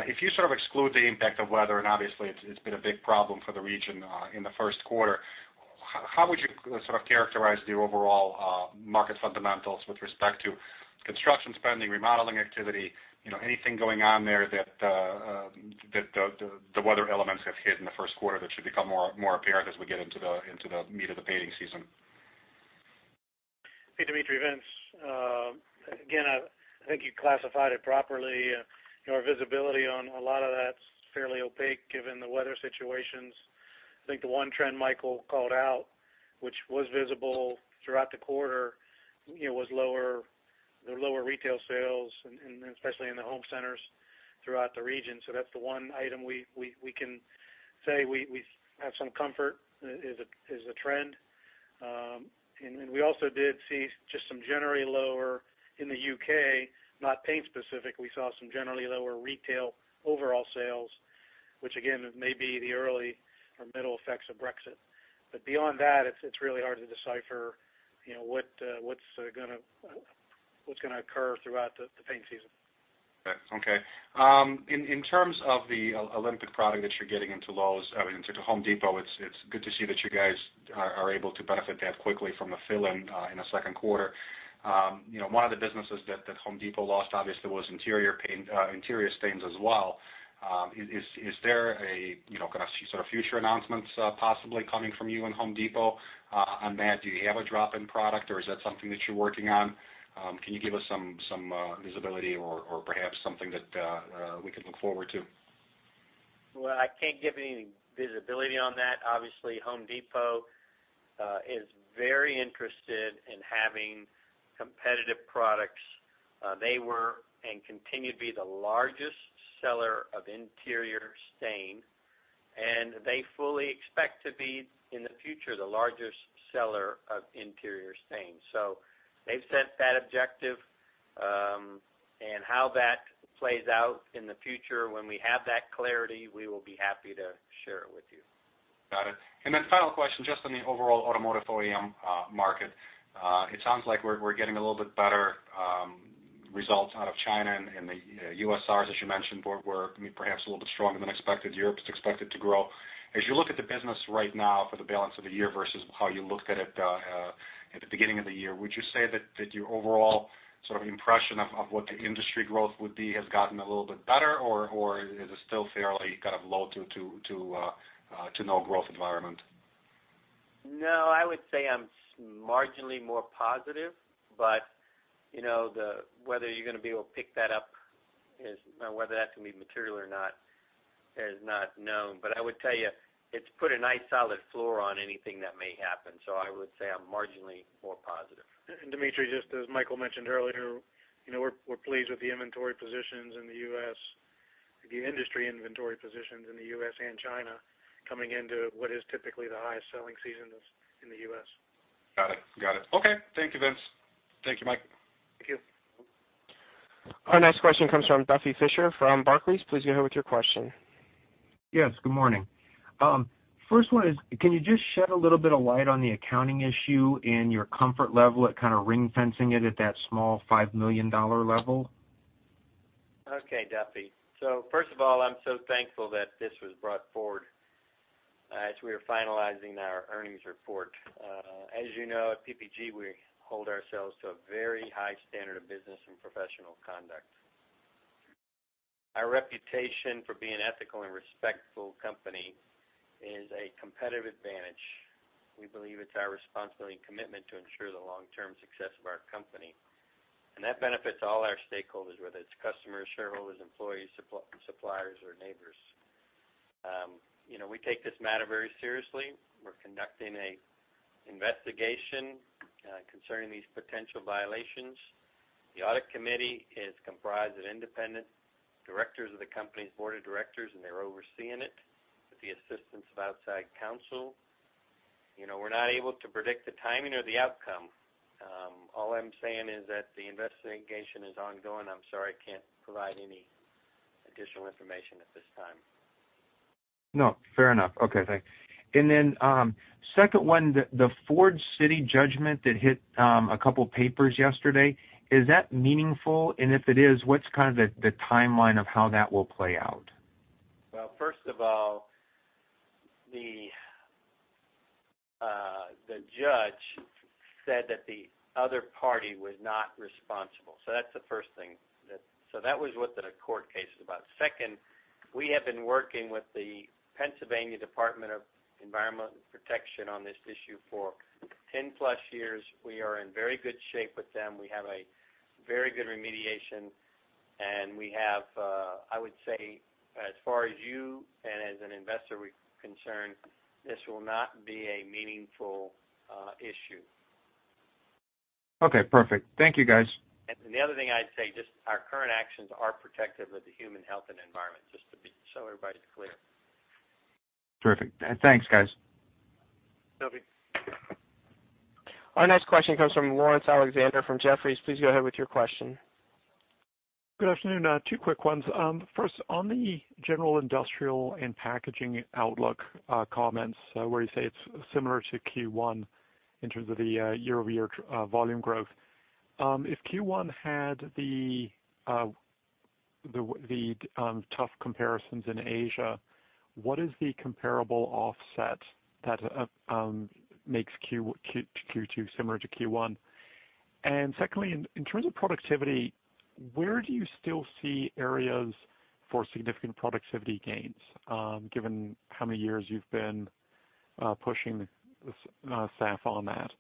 If you sort of exclude the impact of weather, and obviously it's been a big problem for the region in the first quarter, how would you sort of characterize the overall market fundamentals with respect to construction spending, remodeling activity, anything going on there that the weather elements have hit in the first quarter that should become more apparent as we get into the meat of the painting season? Hey, Dmitry, Vince. I think you classified it properly. Our visibility on a lot of that's fairly opaque given the weather situations. I think the one trend Michael called out, which was visible throughout the quarter, was the lower retail sales and especially in the home centers throughout the region. That's the one item we can say we have some comfort is a trend. We also did see just some generally lower in the U.K., not paint specific, we saw some generally lower retail overall sales, which again, may be the early or middle effects of Brexit. Beyond that, it's really hard to decipher what's going to occur throughout the paint season. Okay. In terms of the Olympic product that you're getting into The Home Depot, it's good to see that you guys are able to benefit that quickly from a fill-in in the second quarter. One of the businesses that The Home Depot lost, obviously, was interior stains as well. Is there a kind of future announcements possibly coming from you and The Home Depot on that? Do you have a drop-in product, or is that something that you're working on? Can you give us some visibility or perhaps something that we could look forward to? Well, I can't give any visibility on that. Obviously, The Home Depot is very interested in having competitive products. They were and continue to be the largest seller of interior stain, and they fully expect to be, in the future, the largest seller of interior stain. They've set that objective, and how that plays out in the future, when we have that clarity, we will be happy to share it with you. Got it. Final question, just on the overall automotive OEM market. It sounds like we're getting a little bit better results out of China and the U.S. Ours, as you mentioned, were perhaps a little bit stronger than expected. Europe is expected to grow. As you look at the business right now for the balance of the year versus how you looked at it at the beginning of the year, would you say that your overall sort of impression of what the industry growth would be has gotten a little bit better, or is it still fairly kind of low to no growth environment? No, I would say I'm marginally more positive. Whether you're going to be able to pick that up, whether that's going to be material or not, is not known. I would tell you, it's put a nice solid floor on anything that may happen. I would say I'm marginally more positive. Dmitry, just as Michael mentioned earlier, we're pleased with the inventory positions in the U.S. The industry inventory positions in the U.S. and China coming into what is typically the highest selling season in the U.S. Got it. Okay. Thank you, Vince. Thank you, Mike. Thank you. Our next question comes from Duffy Fischer from Barclays. Please go ahead with your question. Yes, good morning. First one is, can you just shed a little bit of light on the accounting issue and your comfort level at kind of ring-fencing it at that small $5 million level? Okay, Duffy. First of all, I'm so thankful that this was brought forward as we are finalizing our earnings report. As you know, at PPG, we hold ourselves to a very high standard of business and professional conduct. Our reputation for being ethical and respectful company is a competitive advantage. We believe it's our responsibility and commitment to ensure the long-term success of our company. That benefits all our stakeholders, whether it's customers, shareholders, employees, suppliers, or neighbors. We take this matter very seriously. We're conducting an investigation concerning these potential violations. The audit committee is comprised of independent directors of the company's board of directors, and they're overseeing it with the assistance of outside counsel. We're not able to predict the timing or the outcome. All I'm saying is that the investigation is ongoing. I'm sorry I can't provide any additional information at this time. No, fair enough. Okay, thanks. Second one, the Ford City judgment that hit a couple of papers yesterday, is that meaningful? And if it is, what's kind of the timeline of how that will play out? First of all, the judge said that the other party was not responsible. That's the first thing. That was what the court case is about. Second, we have been working with the Pennsylvania Department of Environmental Protection on this issue for 10+ years. We are in very good shape with them. We have a very good remediation, and we have, I would say, as far as you and as an investor concerned, this will not be a meaningful issue. Okay, perfect. Thank you, guys. The other thing I'd say, just our current actions are protective of the human health and environment, just so everybody's clear. Terrific. Thanks, guys. Duffy. Our next question comes from Laurence Alexander from Jefferies. Please go ahead with your question. Good afternoon. Two quick ones. First, on the general industrial and packaging outlook comments, where you say it's similar to Q1 in terms of the year-over-year volume growth. If Q1 had the tough comparisons in Asia, what is the comparable offset that makes Q2 similar to Q1? Secondly, in terms of productivity, where do you still see areas for significant productivity gains, given how many years you've been pushing staff on that?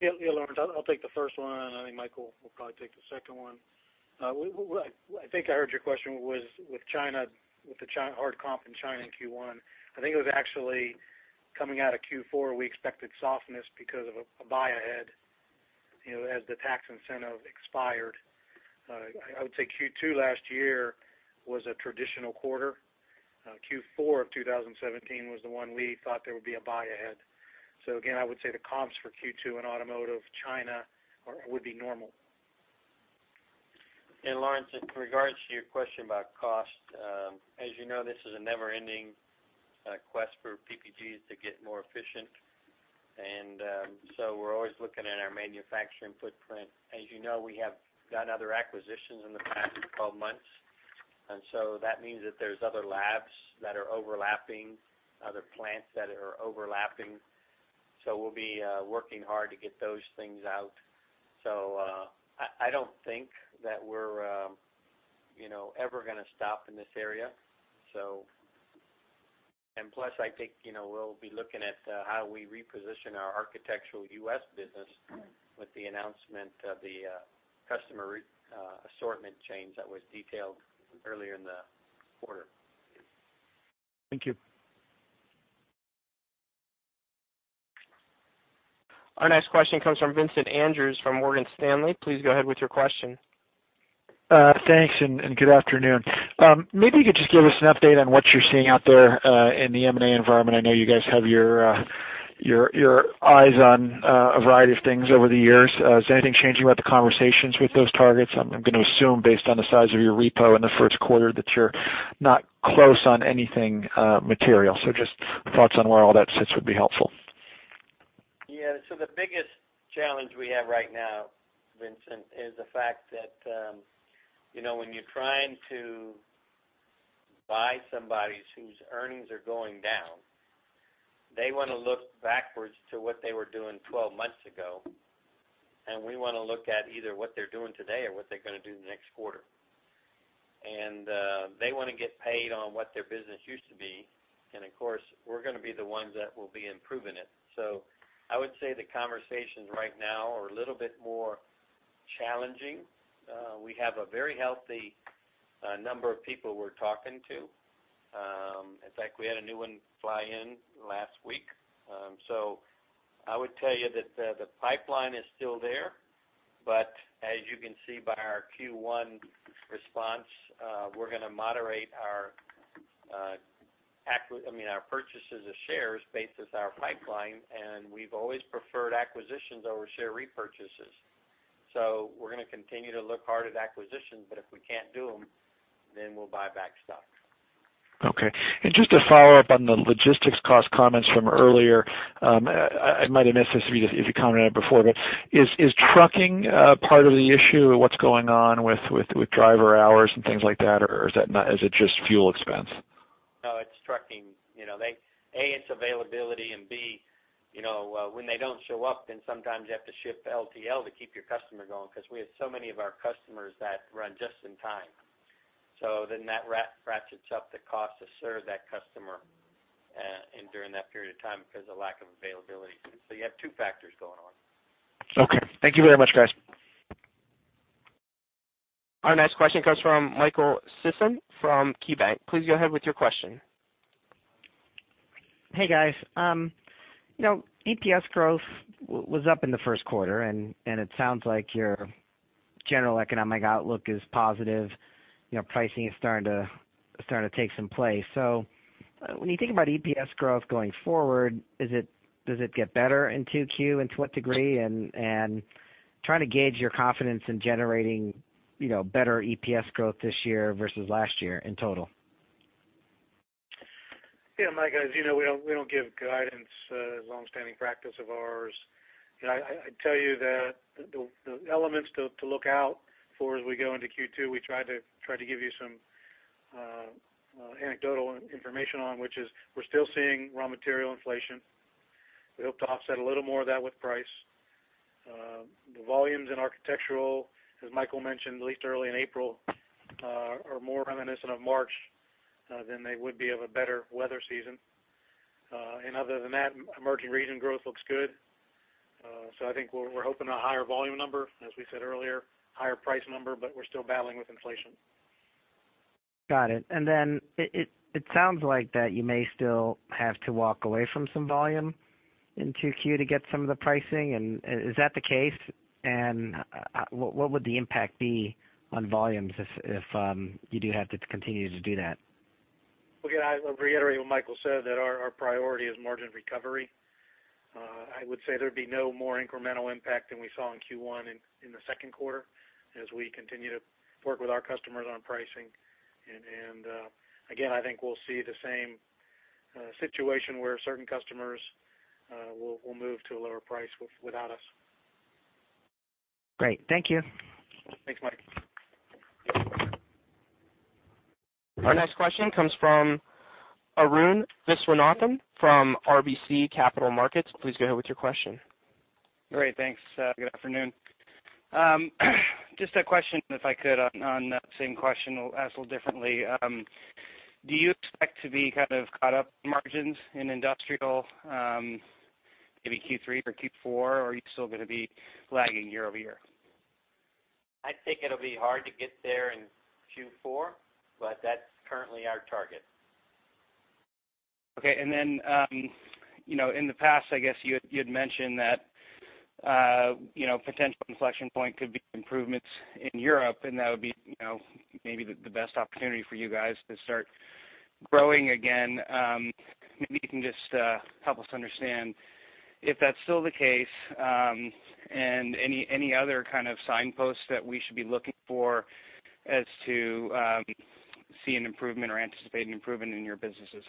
Yeah, Laurence, I'll take the first one, and I think Michael will probably take the second one. I think I heard your question was with the hard comp in China in Q1. I think it was actually coming out of Q4, we expected softness because of a buy ahead, as the tax incentive expired. I would say Q2 last year was a traditional quarter. Q4 of 2017 was the one we thought there would be a buy ahead. Again, I would say the comps for Q2 in automotive China would be normal. Laurence, in regards to your question about cost, as you know, this is a never-ending quest for PPG to get more efficient. We're always looking at our manufacturing footprint. As you know, we have done other acquisitions in the past 12 months, that means that there's other labs that are overlapping, other plants that are overlapping. We'll be working hard to get those things out. I don't think that we're ever going to stop in this area. Plus, I think, we'll be looking at how we reposition our architectural U.S. business with the announcement of the customer assortment change that was detailed earlier in the quarter. Thank you. Our next question comes from Vincent Andrews from Morgan Stanley. Please go ahead with your question. Thanks. Good afternoon. Maybe you could just give us an update on what you're seeing out there in the M&A environment. I know you guys have your eyes on a variety of things over the years. Has anything changed about the conversations with those targets? I'm going to assume, based on the size of your repo in the first quarter, that you're not close on anything material. Just thoughts on where all that sits would be helpful. Yeah. The biggest challenge we have right now, Vincent, is the fact that when you're trying to buy somebody whose earnings are going down, they want to look backwards to what they were doing 12 months ago. We want to look at either what they're doing today or what they're going to do the next quarter. They want to get paid on what their business used to be. Of course, we're going to be the ones that will be improving it. I would say the conversations right now are a little bit more challenging. We have a very healthy number of people we're talking to. In fact, we had a new one fly in last week. I would tell you that the pipeline is still there, but as you can see by our Q1 response, we're going to moderate our purchases of shares based as our pipeline, and we've always preferred acquisitions over share repurchases. We're going to continue to look hard at acquisitions, but if we can't do them, then we'll buy back stock. Okay. Just to follow up on the logistics cost comments from earlier, I might have missed this if you commented on it before, but is trucking part of the issue of what's going on with driver hours and things like that? Is it just fuel expense? No, it's trucking. A, it's availability, and B, when they don't show up, then sometimes you have to ship LTL to keep your customer going, because we have so many of our customers that run just in time. That ratchets up the cost to serve that customer during that period of time because of lack of availability. You have two factors going on. Okay. Thank you very much, guys. Our next question comes from Michael Sison from KeyBank. Please go ahead with your question. Hey, guys. EPS growth was up in the first quarter, it sounds like your general economic outlook is positive. Pricing is starting to take some place. When you think about EPS growth going forward, does it get better in 2Q, to what degree? Trying to gauge your confidence in generating better EPS growth this year versus last year in total. Yeah, Mike, as you know, we don't give guidance, a long-standing practice of ours. I'd tell you that the elements to look out for as we go into Q2, we tried to give you some anecdotal information on, which is we're still seeing raw material inflation. We hope to offset a little more of that with price. The volumes in architectural, as Michael Sison mentioned, at least early in April, are more reminiscent of March than they would be of a better weather season. Other than that, emerging region growth looks good. I think we're hoping a higher volume number, as we said earlier, higher price number, but we're still battling with inflation. Got it. It sounds like that you may still have to walk away from some volume in 2Q to get some of the pricing. Is that the case? What would the impact be on volumes if you do have to continue to do that? I'll reiterate what Michael said, that our priority is margin recovery. I would say there'd be no more incremental impact than we saw in Q1 in the second quarter as we continue to work with our customers on pricing. I think we'll see the same situation where certain customers will move to a lower price without us. Great. Thank you. Thanks, Mike. Our next question comes from Arun Viswanathan from RBC Capital Markets. Please go ahead with your question. Great. Thanks. Good afternoon. Just a question, if I could, on that same question asked a little differently. Do you expect to be kind of caught up margins in industrial maybe Q3 or Q4, or are you still going to be lagging year-over-year? I think it'll be hard to get there in Q4. That's currently our target. Okay. In the past, I guess you had mentioned that potential inflection point could be improvements in Europe, and that would be maybe the best opportunity for you guys to start growing again. Maybe you can just help us to understand if that's still the case, and any other kind of signposts that we should be looking for as to see an improvement or anticipate an improvement in your businesses.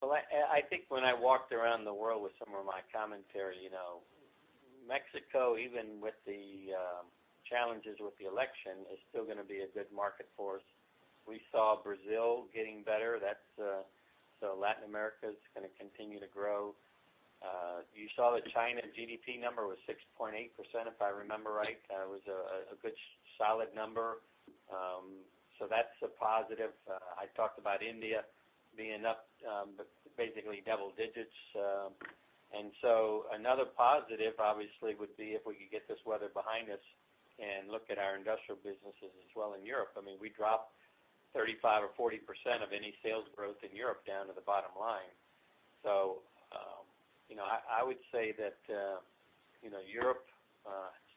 Well, I think when I walked around the world with some of my commentary, Mexico, even with the challenges with the election, is still going to be a good market for us. We saw Brazil getting better. Latin America is going to continue to grow. You saw the China GDP number was 6.8%, if I remember right. That was a good, solid number. That's a positive. I talked about India being up basically double digits. Another positive, obviously, would be if we could get this weather behind us and look at our industrial businesses as well in Europe. We dropped 35% or 40% of any sales growth in Europe down to the bottom line. I would say that Europe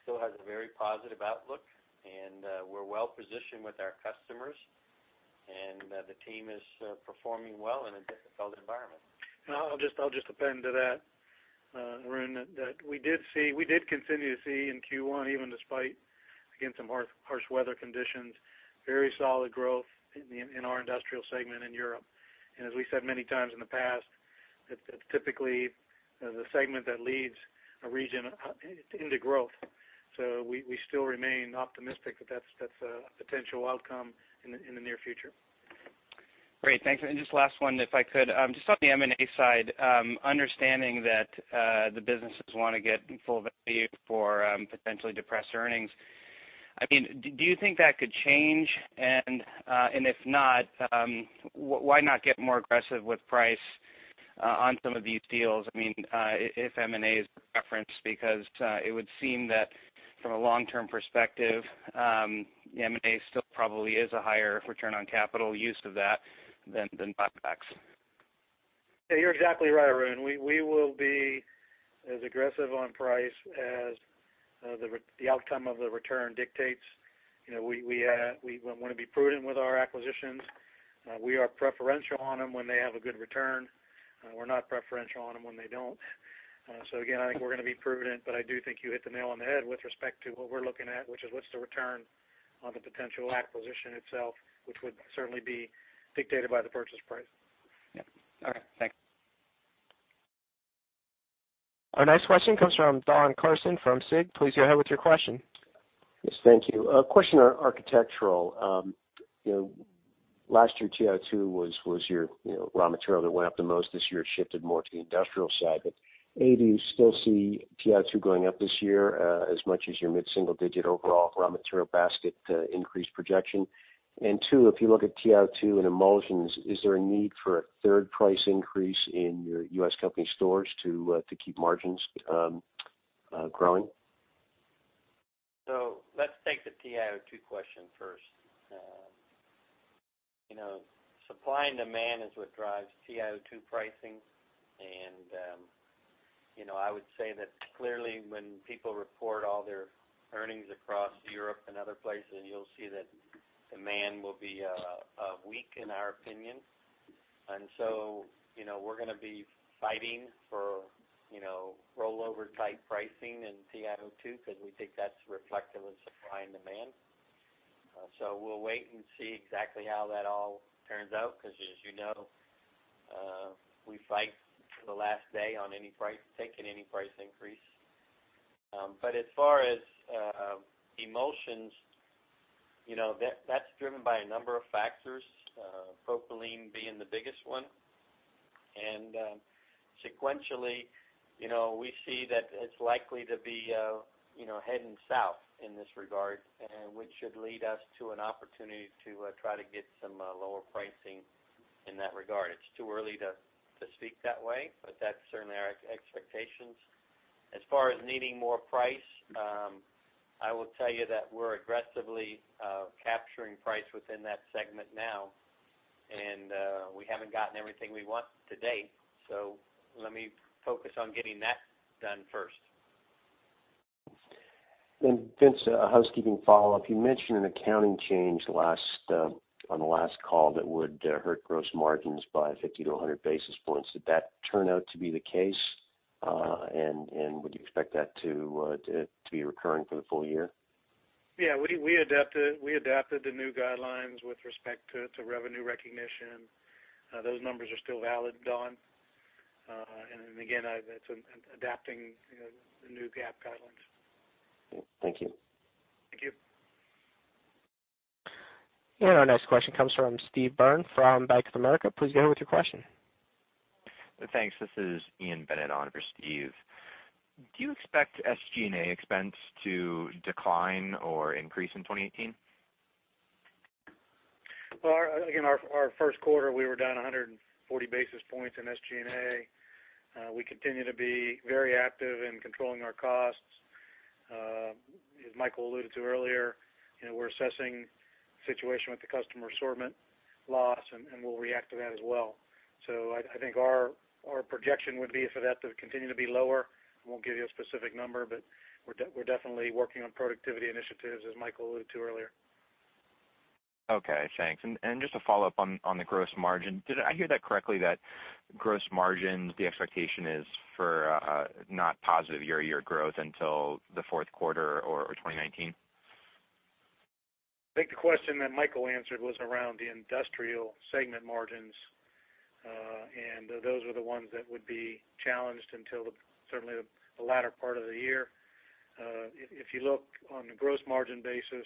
still has a very positive outlook, and we're well-positioned with our customers, and the team is performing well in a difficult environment. I'll just append to that, Arun, that we did continue to see in Q1, even despite, again, some harsh weather conditions, very solid growth in our industrial segment in Europe. As we said many times in the past, that's typically the segment that leads a region into growth. We still remain optimistic that that's a potential outcome in the near future. Great. Thanks. Just last one, if I could. Just on the M&A side, understanding that the businesses want to get full value for potentially depressed earnings. Do you think that could change? If not, why not get more aggressive with price on some of these deals? If M&A is the preference, because it would seem that from a long-term perspective, M&A still probably is a higher return on capital use of that than buybacks. Yeah, you're exactly right, Arun. We will be as aggressive on price as the outcome of the return dictates. We want to be prudent with our acquisitions. We are preferential on them when they have a good return. We're not preferential on them when they don't. Again, I think we're going to be prudent, but I do think you hit the nail on the head with respect to what we're looking at, which is what's the return on the potential acquisition itself, which would certainly be dictated by the purchase price. Yeah. All right. Thanks. Our next question comes from Don Carson from SIG. Please go ahead with your question. Yes. Thank you. A question on architectural. Last year, TiO2 was your raw material that went up the most. This year, it shifted more to the industrial side. A, do you still see TiO2 going up this year as much as your mid-single-digit overall raw material basket increase projection? Two, if you look at TiO2 and emulsions, is there a need for a third price increase in your U.S. company stores to keep margins growing? Let's take the TiO2 question first. Supply and demand is what drives TiO2 pricing. I would say that clearly when people report all their earnings across Europe and other places, you'll see that demand will be weak, in our opinion. We're going to be fighting for rollover type pricing in TiO2 because we think that's reflective of supply and demand. We'll wait and see exactly how that all turns out because, as you know, we fight to the last day on taking any price increase. As far as emulsions, that's driven by a number of factors, propylene being the biggest one. Sequentially, we see that it's likely to be heading south in this regard, which should lead us to an opportunity to try to get some lower pricing in that regard. It's too early to speak that way, but that's certainly our expectations. As far as needing more price, I will tell you that we're aggressively capturing price within that segment now, and we haven't gotten everything we want to date. Let me focus on getting that done first. Vince, a housekeeping follow-up. You mentioned an accounting change on the last call that would hurt gross margins by 50 to 100 basis points. Did that turn out to be the case? Would you expect that to be recurring for the full year? Yeah, we adapted the new guidelines with respect to revenue recognition. Those numbers are still valid, Don. Again, that's adapting the new GAAP guidelines. Thank you. Thank you. Our next question comes from Steve Byrne from Bank of America. Please go ahead with your question. Thanks. This is Ian Bennett on for Steve. Do you expect SG&A expense to decline or increase in 2018? Well, again, our first quarter, we were down 140 basis points in SG&A. We continue to be very active in controlling our costs. As Michael alluded to earlier, we're assessing the situation with the customer assortment loss, and we'll react to that as well. I think our projection would be for that to continue to be lower. I won't give you a specific number, but we're definitely working on productivity initiatives, as Michael alluded to earlier. Okay. Thanks. Just a follow-up on the gross margin. Did I hear that correctly that gross margins, the expectation is for not positive year-over-year growth until the fourth quarter or 2019? I think the question that Michael answered was around the industrial segment margins. Those are the ones that would be challenged until certainly the latter part of the year. If you look on the gross margin basis,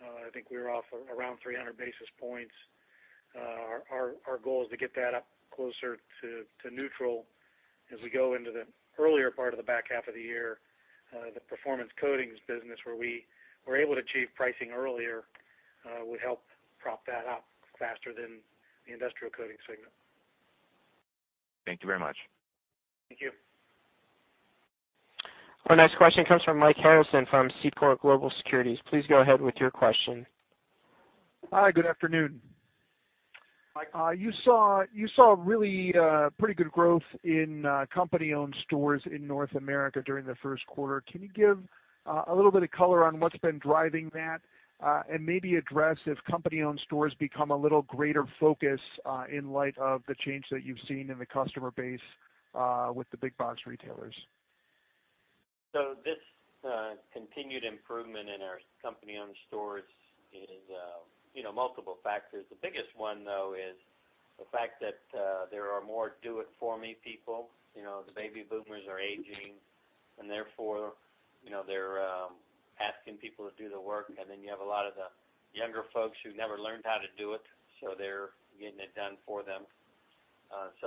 I think we were off around 300 basis points. Our goal is to get that up closer to neutral as we go into the earlier part of the back half of the year. The performance coatings business, where we were able to achieve pricing earlier, would help prop that up faster than the industrial coatings segment. Thank you very much. Thank you. Our next question comes from Mike Harrison from Seaport Global Securities. Please go ahead with your question. Hi, good afternoon. Mike. You saw really pretty good growth in company-owned stores in North America during the first quarter. Can you give a little bit of color on what's been driving that? Maybe address if company-owned stores become a little greater focus in light of the change that you've seen in the customer base with the big box retailers. This continued improvement in our company-owned stores is multiple factors. The biggest one, though, is the fact that there are more do-it-for-me people. The baby boomers are aging and therefore, they're asking people to do the work, and then you have a lot of the younger folks who never learned how to do it, they're getting it done for them.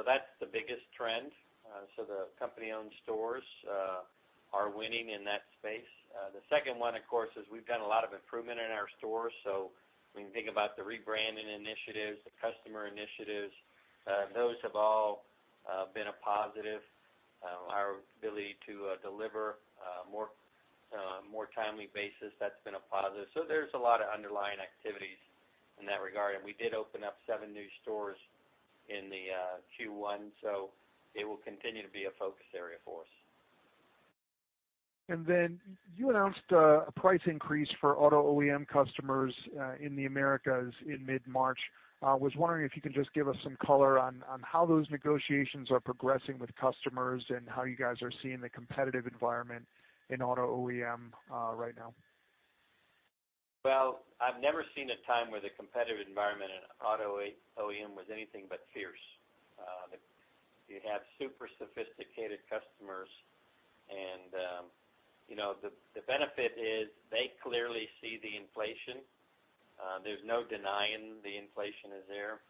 That's the biggest trend. The company-owned stores are winning in that space. The second one, of course, is we've done a lot of improvement in our stores. When you think about the rebranding initiatives, the customer initiatives, those have all been a positive. Our ability to deliver a more timely basis, that's been a positive. There's a lot of underlying activities in that regard. We did open up seven new stores in the Q1, so it will continue to be a focus area for us. You announced a price increase for auto OEM customers in the Americas in mid-March. I was wondering if you could just give us some color on how those negotiations are progressing with customers and how you are seeing the competitive environment in auto OEM right now. Well, I've never seen a time where the competitive environment in auto OEM was anything but fierce. You have super sophisticated customers and the benefit is they clearly see the inflation. There's no denying the inflation is there.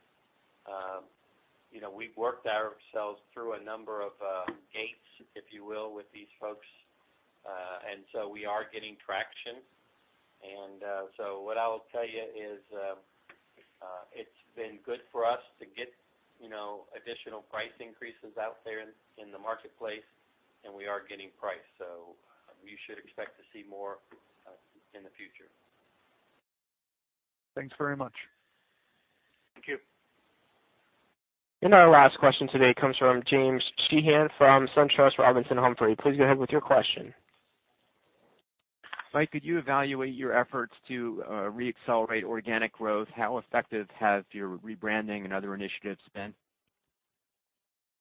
We've worked ourselves through a number of gates, if you will, with these folks. We are getting traction. What I will tell you is it's been good for us to get additional price increases out there in the marketplace, and we are getting price. You should expect to see more in the future. Thanks very much. Thank you. Our last question today comes from James Sheehan from SunTrust Robinson Humphrey. Please go ahead with your question. Mike, could you evaluate your efforts to re-accelerate organic growth? How effective have your rebranding and other initiatives been?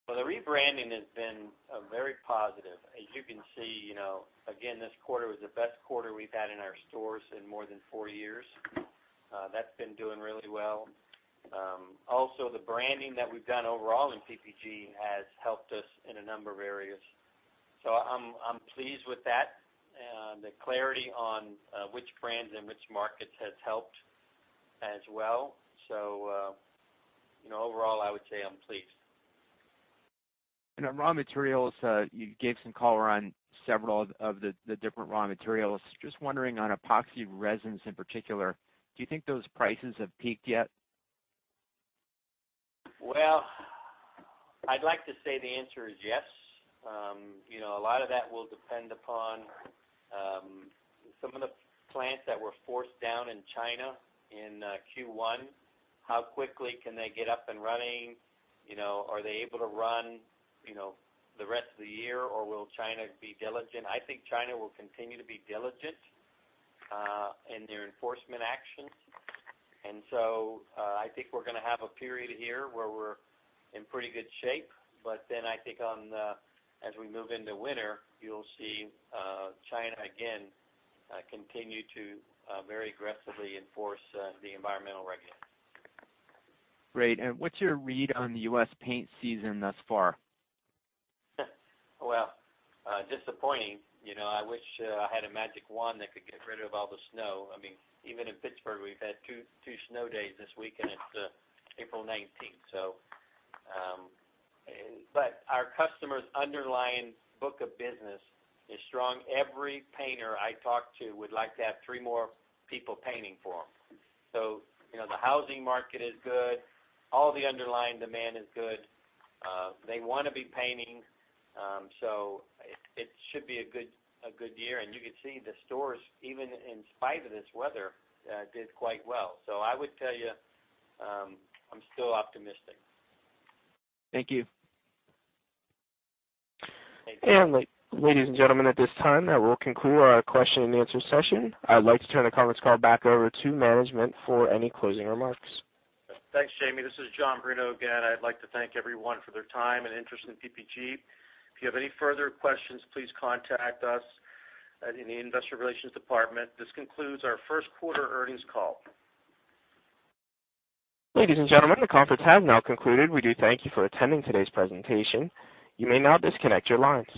Well, the rebranding has been very positive. As you can see, again, this quarter was the best quarter we've had in our stores in more than four years. That's been doing really well. The branding that we've done overall in PPG has helped us in a number of areas. I'm pleased with that. The clarity on which brands and which markets has helped as well. overall, I would say I'm pleased. On raw materials, you gave some color on several of the different raw materials. Just wondering on epoxy resins in particular, do you think those prices have peaked yet? Well, I'd like to say the answer is yes. A lot of that will depend upon some of the plants that were forced down in China in Q1. How quickly can they get up and running? Are they able to run the rest of the year, or will China be diligent? I think China will continue to be diligent in their enforcement actions. I think we're going to have a period here where we're in pretty good shape. I think as we move into winter, you'll see China again continue to very aggressively enforce the environmental regulations. Great. What's your read on the U.S. paint season thus far? Well, disappointing. I wish I had a magic wand that could get rid of all the snow. Even in Pittsburgh, we've had two snow days this week, and it's April 19th. Our customers' underlying book of business is strong. Every painter I talk to would like to have three more people painting for them. The housing market is good. All the underlying demand is good. They want to be painting. It should be a good year. You could see the stores, even in spite of this weather, did quite well. I would tell you, I'm still optimistic. Thank you. Thank you. Ladies and gentlemen, at this time, that will conclude our question and answer session. I'd like to turn the conference call back over to management for any closing remarks. Thanks, Jamie. This is John Bruno again. I'd like to thank everyone for their time and interest in PPG. If you have any further questions, please contact us in the investor relations department. This concludes our first quarter earnings call. Ladies and gentlemen, the conference has now concluded. We do thank you for attending today's presentation. You may now disconnect your lines.